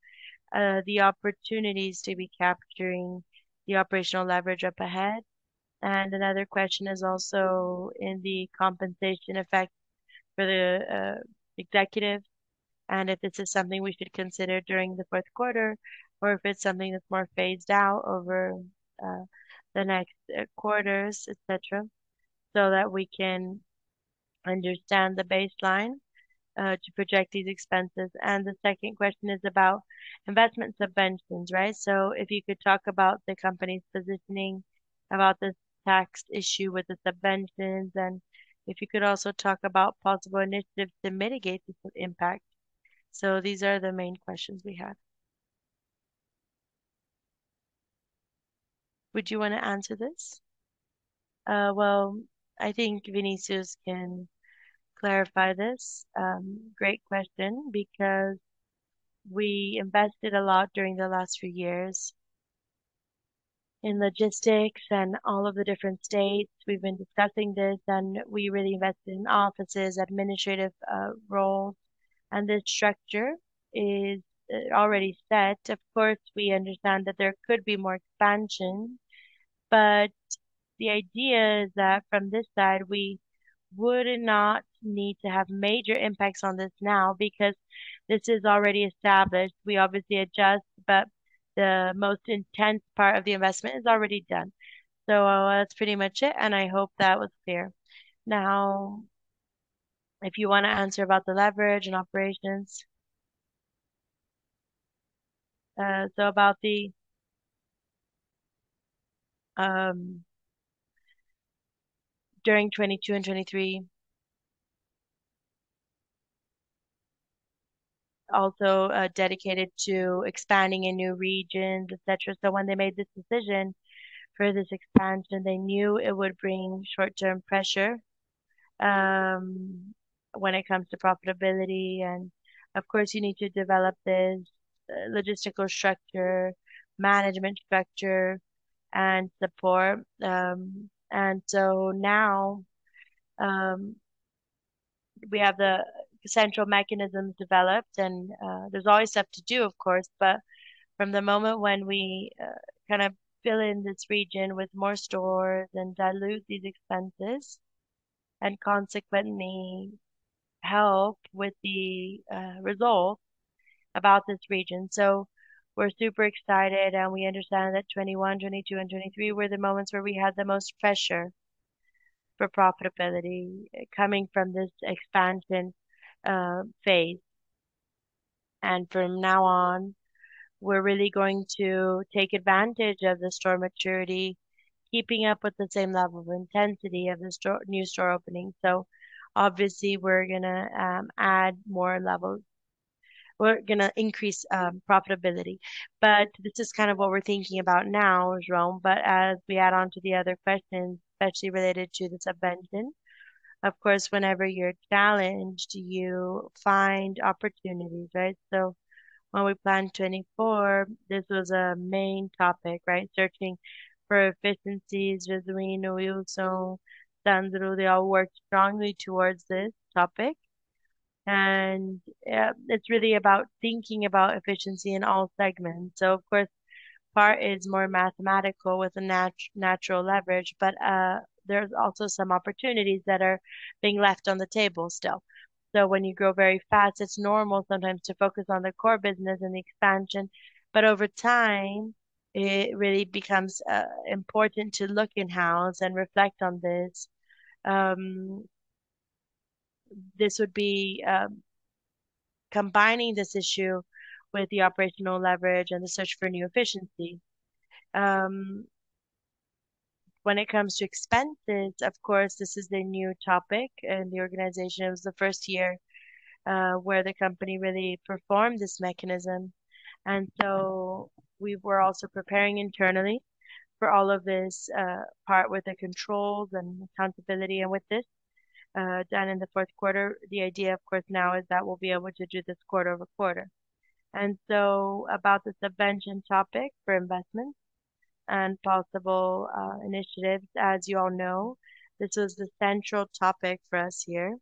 the opportunities to be capturing the operational leverage up ahead. Another question is also in the compensation effect for the executives. If this is something we should consider during the fourth quarter, or if it's something that's more phased out over the next quarters, etc., so that we can understand the baseline to project these expenses. The second question is about investment subventions, right? So if you could talk about the company's positioning about this tax issue with the subventions, and if you could also talk about possible initiatives to mitigate this impact. So these are the main questions we have. Would you want to answer this? Well, I think Vinícius can clarify this. Great question because we invested a lot during the last few years in logistics and all of the different states. We've been discussing this, and we really invested in offices, administrative roles. This structure is already set. Of course, we understand that there could be more expansion. But the idea is that from this side, we would not need to have major impacts on this now because this is already established. We obviously adjust, but the most intense part of the investment is already done. So that's pretty much it, and I hope that was clear. Now, if you want to answer about the leverage and operations. So about the during 2022 and 2023, also dedicated to expanding in new regions, etc. So when they made this decision for this expansion, they knew it would bring short-term pressure, when it comes to profitability. And of course, you need to develop this logistical structure, management structure, and support. and so now, we have the central mechanisms developed, and, there's always stuff to do, of course. But from the moment when we, kind of fill in this region with more stores and dilute these expenses, and consequently help with the, result about this region. So we're super excited, and we understand that 2021, 2022, and 2023 were the moments where we had the most pressure for profitability coming from this expansion, phase. And from now on, we're really going to take advantage of the store maturity, keeping up with the same level of intensity of the new store opening. So obviously, we're going to add more levels. We're going to increase profitability. But this is kind of what we're thinking about now, João. But as we add on to the other questions, especially related to the subvention, of course, whenever you're challenged, you find opportunities, right? So when we planned 2024, this was a main topic, right? Searching for efficiencies, residue, and oil. So Sandro, who, they all worked strongly towards this topic. And yeah, it's really about thinking about efficiency in all segments. So of course, part is more mathematical with a natural leverage, but there's also some opportunities that are being left on the table still. So when you grow very fast, it's normal sometimes to focus on the core business and the expansion. But over time, it really becomes important to look in-house and reflect on this. This would be combining this issue with the operational leverage and the search for new efficiencies. When it comes to expenses, of course, this is the new topic in the organization. It was the first year where the company really performed this mechanism. And so we were also preparing internally for all of this, part with the controls and accountability and with this, done in the fourth quarter. The idea, of course, now is that we'll be able to do this quarter over quarter. And so about the subvention topic for investments and possible initiatives, as you all know, this was the central topic for us here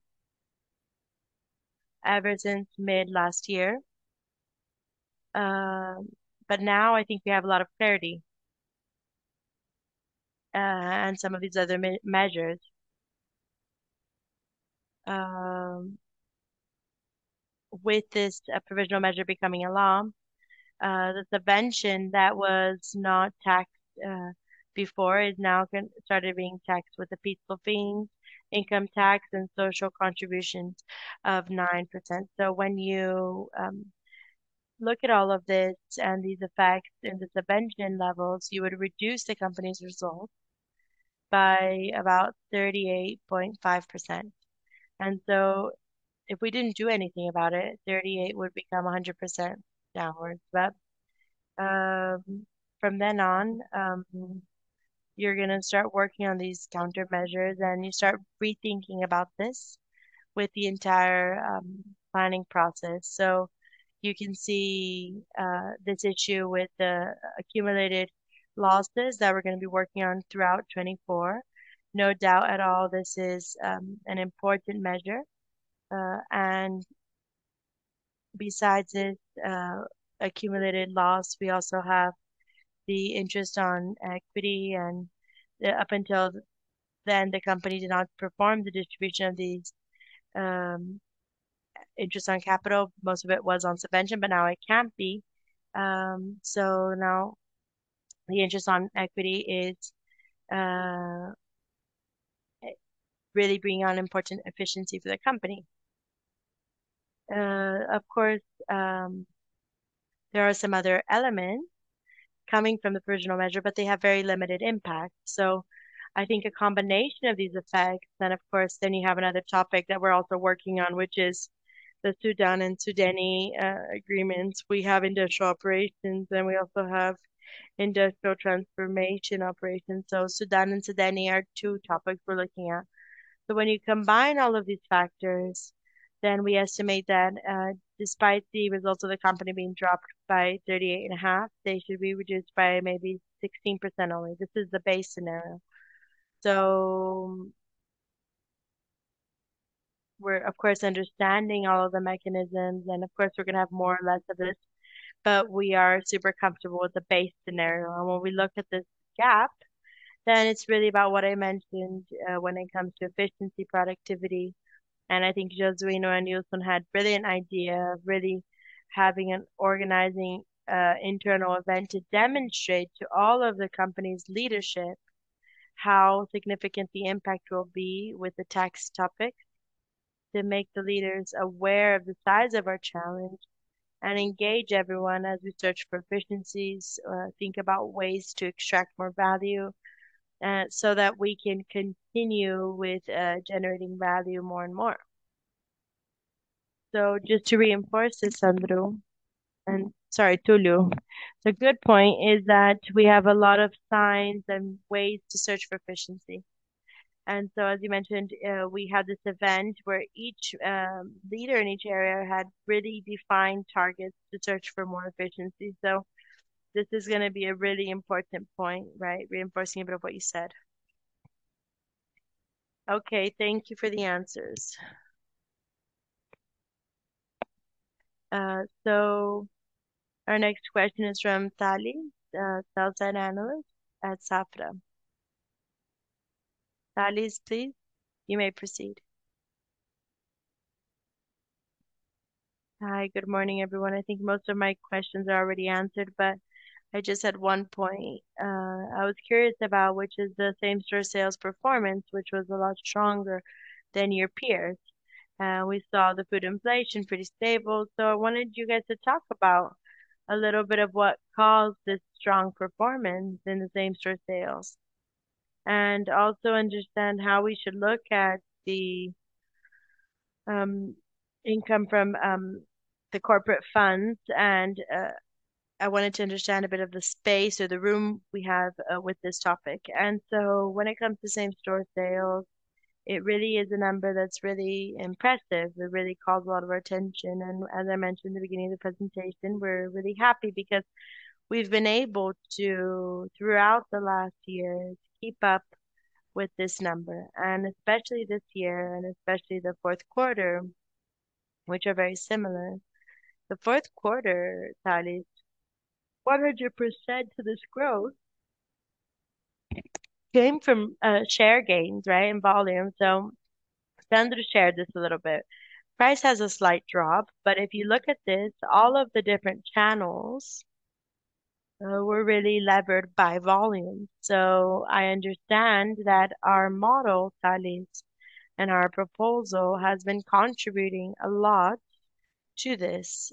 ever since mid last year. But now I think we have a lot of clarity, and some of these other measures. With this provisional measure becoming a law, the subvention that was not taxed before is now started being taxed with the PIS/COFINS, income tax, and social contributions of 9%. So when you look at all of this and these effects in the subvention levels, you would reduce the company's results by about 38.5%. So if we didn't do anything about it, 38 would become 100% downwards. But from then on, you're going to start working on these countermeasures, and you start rethinking about this with the entire planning process. So you can see this issue with the accumulated losses that we're going to be working on throughout 2024. No doubt at all, this is an important measure. And besides this accumulated loss, we also have the interest on equity. And up until then, the company did not perform the distribution of these interest on capital. Most of it was on subvention, but now it can't be. So now the interest on equity is really bringing on important efficiency for the company. Of course, there are some other elements coming from the provisional measure, but they have very limited impact. So I think a combination of these effects, and of course, then you have another topic that we're also working on, which is the SUDENE and SUDAM agreements. We have industrial operations, and we also have industrial transformation operations. So SUDENE and SUDAM are two topics we're looking at. So when you combine all of these factors, then we estimate that, despite the results of the company being dropped by 38.5%, they should be reduced by maybe 16% only. This is the base scenario. So we're, of course, understanding all of the mechanisms, and of course, we're going to have more or less of this, but we are super comfortable with the base scenario. And when we look at this gap, then it's really about what I mentioned, when it comes to efficiency, productivity. I think Jesuíno and Ilson had a brilliant idea of really having an organizational, internal event to demonstrate to all of the company's leadership how significant the impact will be with the tax topics to make the leaders aware of the size of our challenge and engage everyone as we search for efficiencies, think about ways to extract more value, so that we can continue with generating value more and more. So just to reinforce this, Sandro, and sorry, Túlio, it's a good point is that we have a lot of signs and ways to search for efficiency. So, as you mentioned, we had this event where each leader in each area had really defined targets to search for more efficiency. So this is going to be a really important point, right? Reinforcing a bit of what you said. Okay, thank you for the answers. Our next question is from Tales, sell-side analyst at Safra. Tales, please, you may proceed. Hi, good morning, everyone. I think most of my questions are already answered, but I just had one point. I was curious about which is the same-store sales performance, which was a lot stronger than your peers. We saw the food inflation pretty stable, so I wanted you guys to talk about a little bit of what caused this strong performance in the same-store sales. And also understand how we should look at the, income from, the corporate funds. And, I wanted to understand a bit of the space or the room we have, with this topic. And so when it comes to same-store sales, it really is a number that's really impressive. It really calls a lot of our attention. And as I mentioned in the beginning of the presentation, we're really happy because we've been able to, throughout the last year, keep up with this number. And especially this year, and especially the fourth quarter, which are very similar. The fourth quarter, Tales, what had your percent to this growth? Came from share gains, right, and volume. So Sandro shared this a little bit. Price has a slight drop, but if you look at this, all of the different channels were really levered by volume. So I understand that our model, Tales, and our proposal has been contributing a lot to this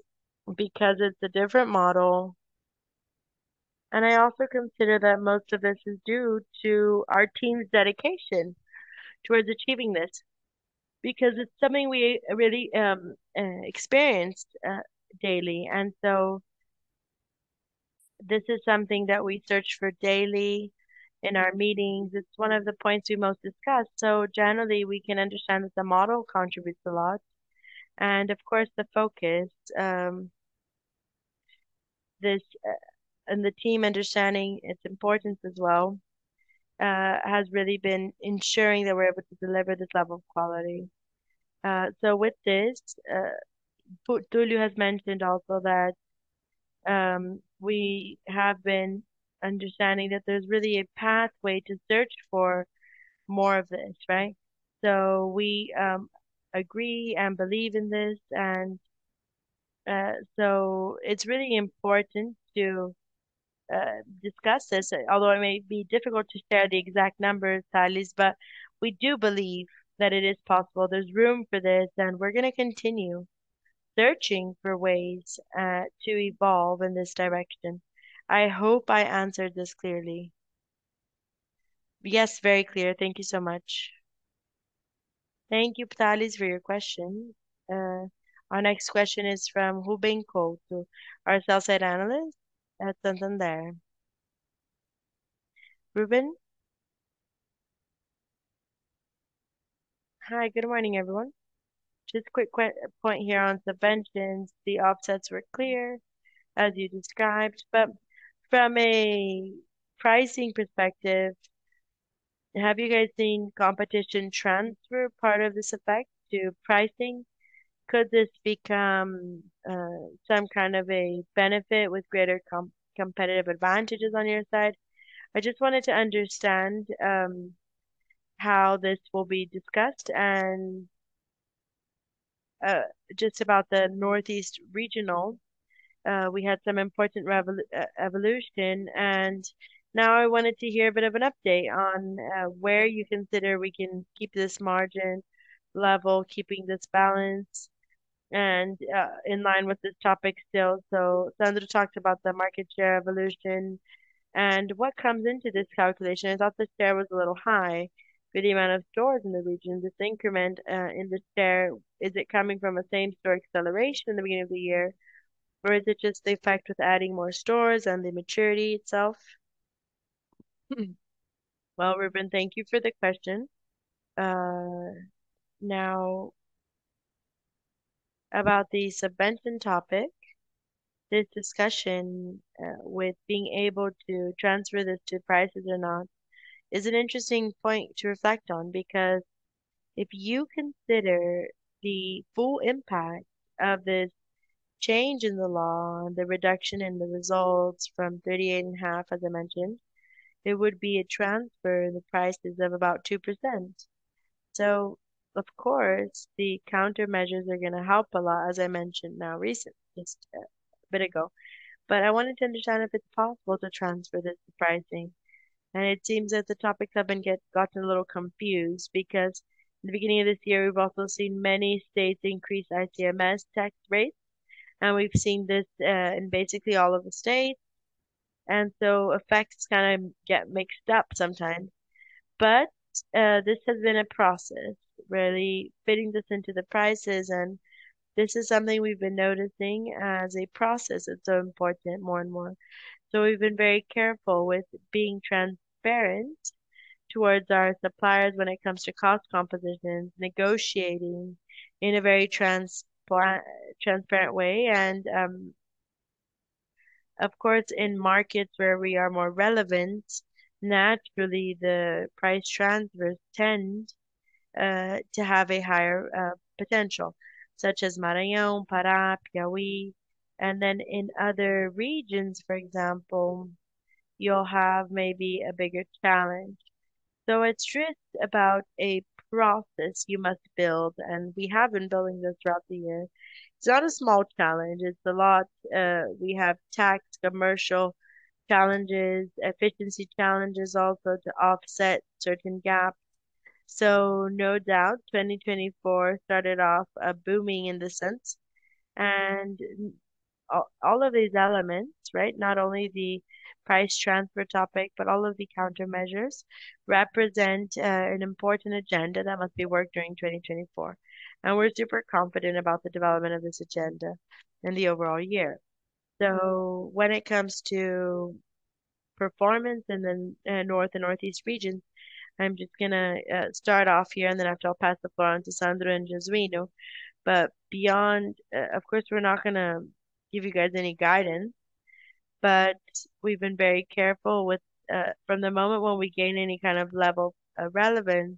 because it's a different model. And I also consider that most of this is due to our team's dedication towards achieving this because it's something we really experienced daily. And so this is something that we search for daily in our meetings. It's one of the points we most discuss. So generally, we can understand that the model contributes a lot. And of course, the focus, this, and the team understanding its importance as well, has really been ensuring that we're able to deliver this level of quality. So with this, Túlio has mentioned also that, we have been understanding that there's really a pathway to search for more of this, right? So we, agree and believe in this. And, so it's really important to, discuss this, although it may be difficult to share the exact numbers, Tales, but we do believe that it is possible. There's room for this, and we're going to continue searching for ways, to evolve in this direction. I hope I answered this clearly. Yes, very clear. Thank you so much. Thank you, Tales, for your question. Our next question is from Ruben Couto, our sell-side analyst at Santander. Ruben? Hi, good morning, everyone. Just a quick point here on subventions. The offsets were clear, as you described. But from a pricing perspective, have you guys seen competition transfer part of this effect to pricing? Could this become some kind of a benefit with greater competitive advantages on your side? I just wanted to understand how this will be discussed. Just about the Northeast region, we had some important evolution. Now I wanted to hear a bit of an update on where you consider we can keep this margin level, keeping this balance, and in line with this topic still. So Sandro talked about the market share evolution. What comes into this calculation? I thought the share was a little high for the amount of stores in the region. This increment, in the share, is it coming from a same-store acceleration in the beginning of the year, or is it just the effect with adding more stores and the maturity itself? Well, Ruben, thank you for the question. Now, about the subvention topic, this discussion, with being able to transfer this to prices or not, is an interesting point to reflect on because if you consider the full impact of this change in the law and the reduction in the results from 38.5, as I mentioned, it would be a transfer in the prices of about 2%. So, of course, the countermeasures are going to help a lot, as I mentioned now recently, just a bit ago. But I wanted to understand if it's possible to transfer this to pricing. It seems that the topics have been gotten a little confused because in the beginning of this year, we've also seen many states increase ICMS tax rates. We've seen this in basically all of the states. So effects kind of get mixed up sometimes. But this has been a process, really fitting this into the prices. This is something we've been noticing as a process. It's so important more and more. So we've been very careful with being transparent towards our suppliers when it comes to cost compositions, negotiating in a very transparent way. Of course, in markets where we are more relevant, naturally, the price transfers tend to have a higher potential, such as Maranhão, Pará, Piauí. Then in other regions, for example, you'll have maybe a bigger challenge. So it's just about a process you must build, and we have been building this throughout the year. It's not a small challenge. It's a lot. We have tax commercial challenges, efficiency challenges also to offset certain gaps. So no doubt, 2024 started off booming in the sense. And all of these elements, right, not only the price transfer topic, but all of the countermeasures represent an important agenda that must be worked during 2024. And we're super confident about the development of this agenda in the overall year. So when it comes to performance in the North and Northeast regions, I'm just going to start off here, and then after I'll pass the floor on to Sandro and Jesuíno. But beyond, of course, we're not going to give you guys any guidance, but we've been very careful with, from the moment when we gained any kind of level of relevance,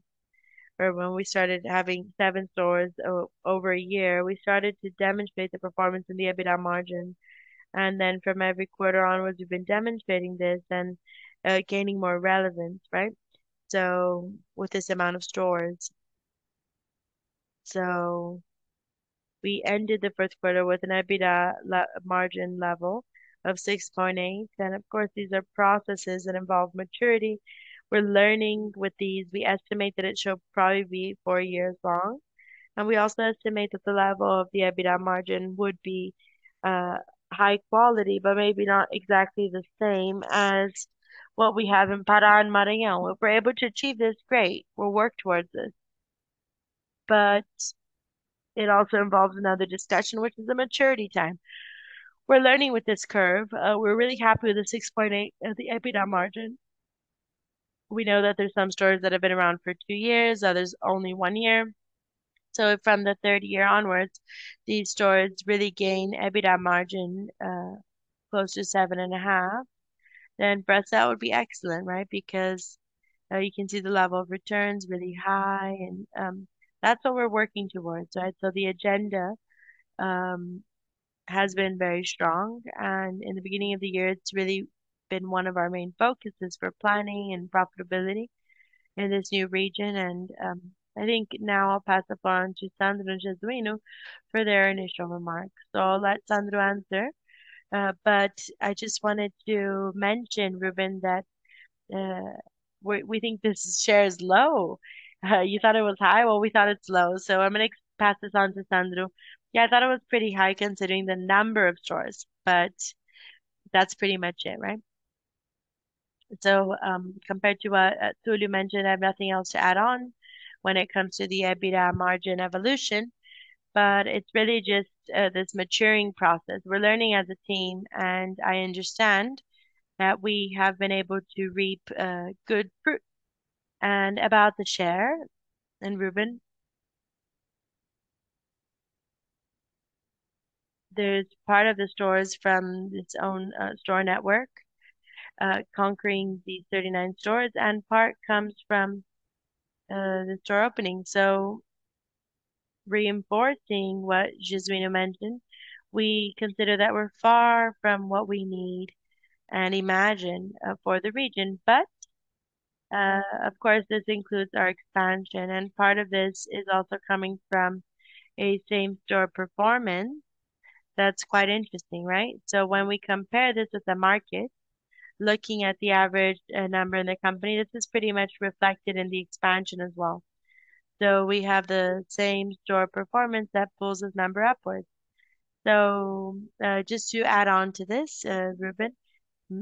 or when we started having 7 stores over a year, we started to demonstrate the performance in the EBITDA margin. And then from every quarter onwards, we've been demonstrating this and gaining more relevance, right? So with this amount of stores. So we ended the first quarter with an EBITDA margin level of 6.8%. And of course, these are processes that involve maturity. We're learning with these. We estimate that it should probably be 4 years long. And we also estimate that the level of the EBITDA margin would be, high quality, but maybe not exactly the same as what we have in Pará and Maranhão. If we're able to achieve this, great. We'll work towards this. But it also involves another discussion, which is the maturity time. We're learning with this curve. We're really happy with the 6.8% EBITDA margin. We know that there's some stores that have been around for two years, others only one year. So from the third year onwards, these stores really gain EBITDA margin, close to 7.5%. Then business would be excellent, right? Because, you can see the level of returns really high. And, that's what we're working towards, right? So the agenda has been very strong. And in the beginning of the year, it's really been one of our main focuses for planning and profitability in this new region. And, I think now I'll pass the floor on to Sandro and Jesuíno for their initial remarks. So I'll let Sandro answer. But I just wanted to mention, Ruben, that, we think this share is low. You thought it was high. Well, we thought it's low. So I'm going to pass this on to Sandro. Yeah, I thought it was pretty high considering the number of stores, but that's pretty much it, right? So, compared to what Túlio mentioned, I have nothing else to add on when it comes to the EBITDA margin evolution. But it's really just this maturing process. We're learning as a team, and I understand that we have been able to reap good fruit. And about the share, and Ruben, there's part of the stores from its own store network, conquering these 39 stores, and part comes from the store opening. So reinforcing what Jesuíno mentioned, we consider that we're far from what we need and imagine for the region. But, of course, this includes our expansion, and part of this is also coming from a same-store performance. That's quite interesting, right? So when we compare this with the market, looking at the average number in the company, this is pretty much reflected in the expansion as well. So we have the same-store performance that pulls this number upwards. So, just to add on to this, Ruben,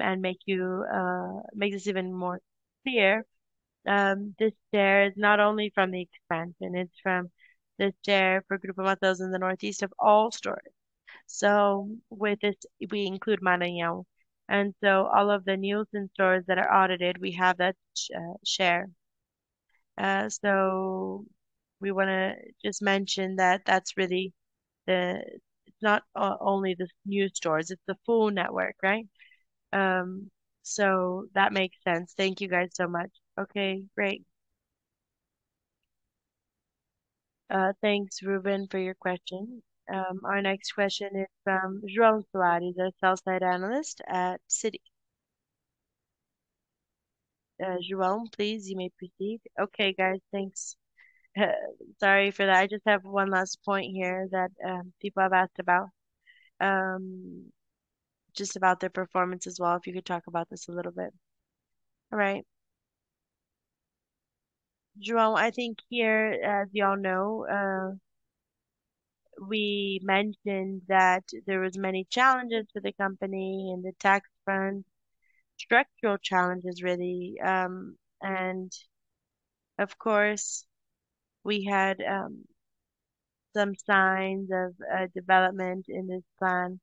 and make you, make this even more clear, this share is not only from the expansion, it's from the share for Grupo Mateus in the Northeast of all stores. So with this, we include Maranhão. And so all of the new stores that are audited, we have that share. So we want to just mention that that's really the, it's not only the new stores, it's the full network, right? So that makes sense. Thank you guys so much. Okay, great. Thanks, Ruben, for your question. Our next question is from João Soares, a sell-side analyst at Citi. João, please, you may proceed. Okay, guys, thanks. Sorry for that. I just have one last point here that people have asked about, just about their performance as well, if you could talk about this a little bit. All right. João, I think here, as you all know, we mentioned that there were many challenges for the company and the tax front, structural challenges really. And of course, we had some signs of development in this plan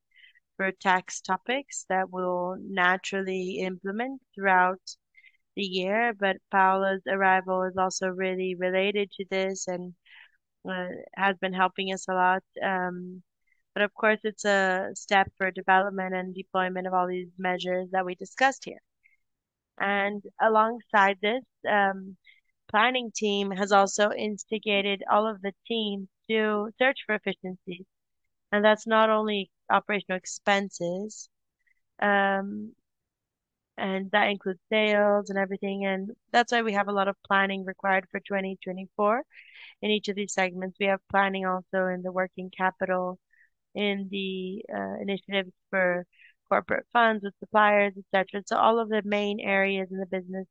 for tax topics that will naturally implement throughout the year. But Pará arrival is also really related to this and has been helping us a lot. But of course, it's a step for development and deployment of all these measures that we discussed here. And alongside this, the planning team has also instigated all of the teams to search for efficiencies. And that's not only operational expenses. And that includes sales and everything. That's why we have a lot of planning required for 2024. In each of these segments, we have planning also in the working capital, in the initiatives for corporate funds with suppliers, etc. All of the main areas in the business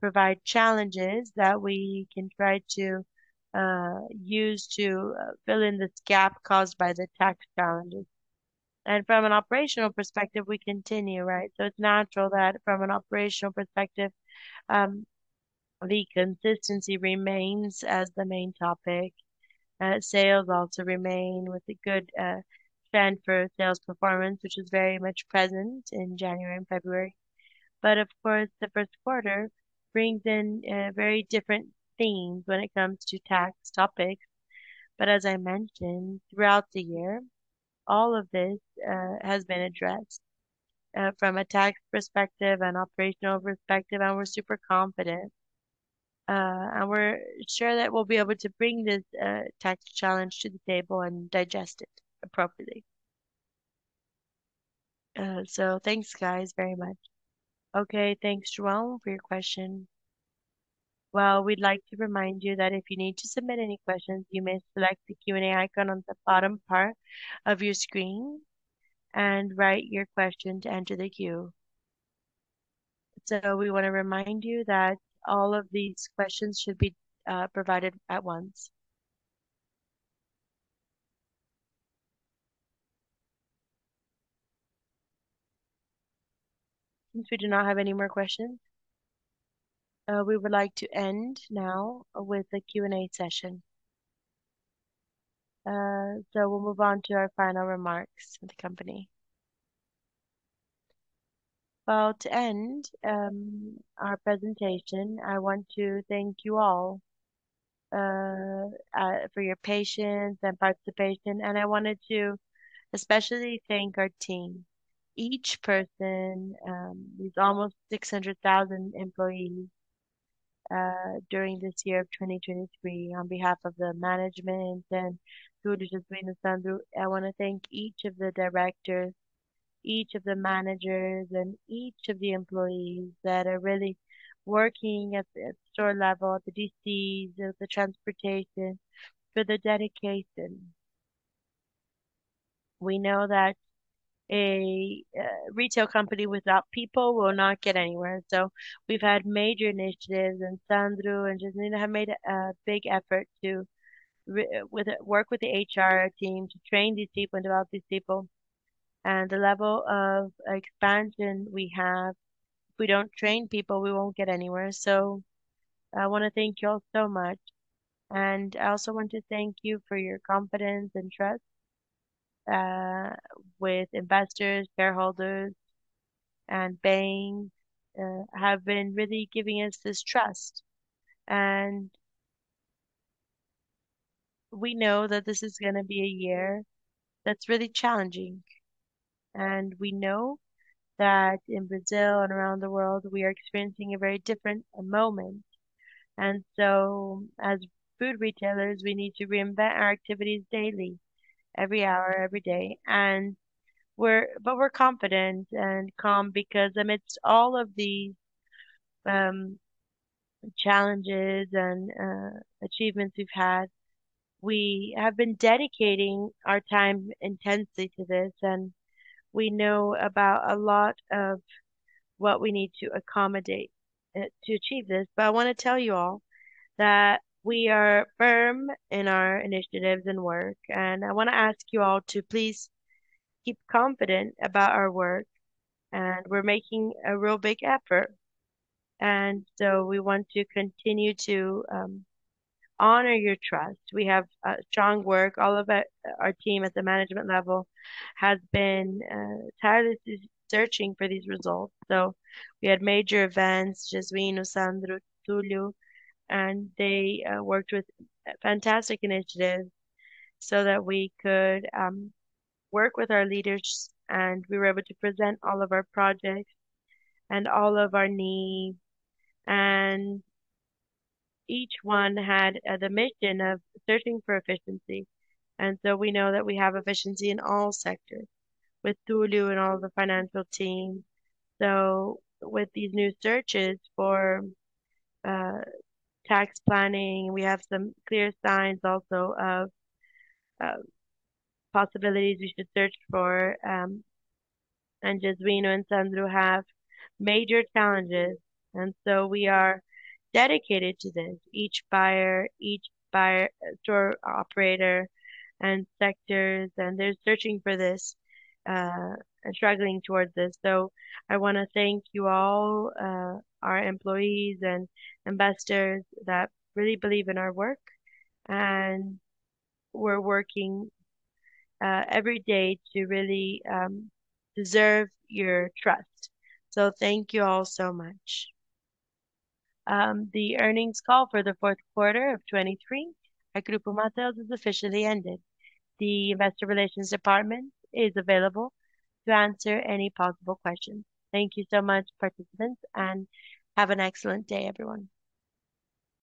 provide challenges that we can try to use to fill in this gap caused by the tax challenges. From an operational perspective, we continue, right? It's natural that from an operational perspective, the consistency remains as the main topic. Sales also remain with a good trend for sales performance, which is very much present in January and February. Of course, the first quarter brings in very different themes when it comes to tax topics. As I mentioned, throughout the year, all of this has been addressed, from a tax perspective and operational perspective, and we're super confident. And we're sure that we'll be able to bring this tax challenge to the table and digest it appropriately. So thanks, guys, very much. Okay, thanks, João, for your question. Well, we'd like to remind you that if you need to submit any questions, you may select the Q&A icon on the bottom part of your screen and write your question to enter the queue. So we want to remind you that all of these questions should be provided at once. Since we do not have any more questions, we would like to end now with the Q&A session. So we'll move on to our final remarks of the company. Well, to end our presentation, I want to thank you all for your patience and participation. And I wanted to especially thank our team. each person, we have almost 600,000 employees. During this year of 2023, on behalf of the management and thanks to Jesuíno and Sandro, I want to thank each of the directors, each of the managers, and each of the employees that are really working at the store level, at the DCs, at the transportation for the dedication. We know that a retail company without people will not get anywhere. So we've had major initiatives, and Sandro and Jesuíno have made a big effort to work with the HR team to train these people and develop these people. And the level of expansion we have, if we don't train people, we won't get anywhere. So I want to thank you all so much. And I also want to thank you for your confidence and trust. With investors, shareholders, and banks, have been really giving us this trust. We know that this is going to be a year that's really challenging. We know that in Brazil and around the world, we are experiencing a very different moment. So as food retailers, we need to reinvent our activities daily, every hour, every day. But we're confident and calm because amidst all of these challenges and achievements we've had, we have been dedicating our time intensely to this. We know about a lot of what we need to accommodate to achieve this. But I want to tell you all that we are firm in our initiatives and work. I want to ask you all to please keep confident about our work. We're making a real big effort. So we want to continue to honor your trust. We have a strong work. All of our team at the management level has been tirelessly searching for these results. So we had major events, Jesuíno, Sandro, Túlio, and they worked with fantastic initiatives so that we could work with our leaders. And we were able to present all of our projects and all of our needs. And each one had the mission of searching for efficiency. And so we know that we have efficiency in all sectors with Túlio and all the financial team. So with these new searches for tax planning, we have some clear signs also of possibilities we should search for. And Jesuíno and Sandro have major challenges. And so we are dedicated to this, each buyer, each buyer store operator and sectors. And they're searching for this, and struggling towards this. So I want to thank you all, our employees and investors that really believe in our work. We're working every day to really deserve your trust. So thank you all so much. The earnings call for the fourth quarter of 2023 at Grupo Mateus has officially ended. The investor relations department is available to answer any possible questions. Thank you so much, participants, and have an excellent day, everyone.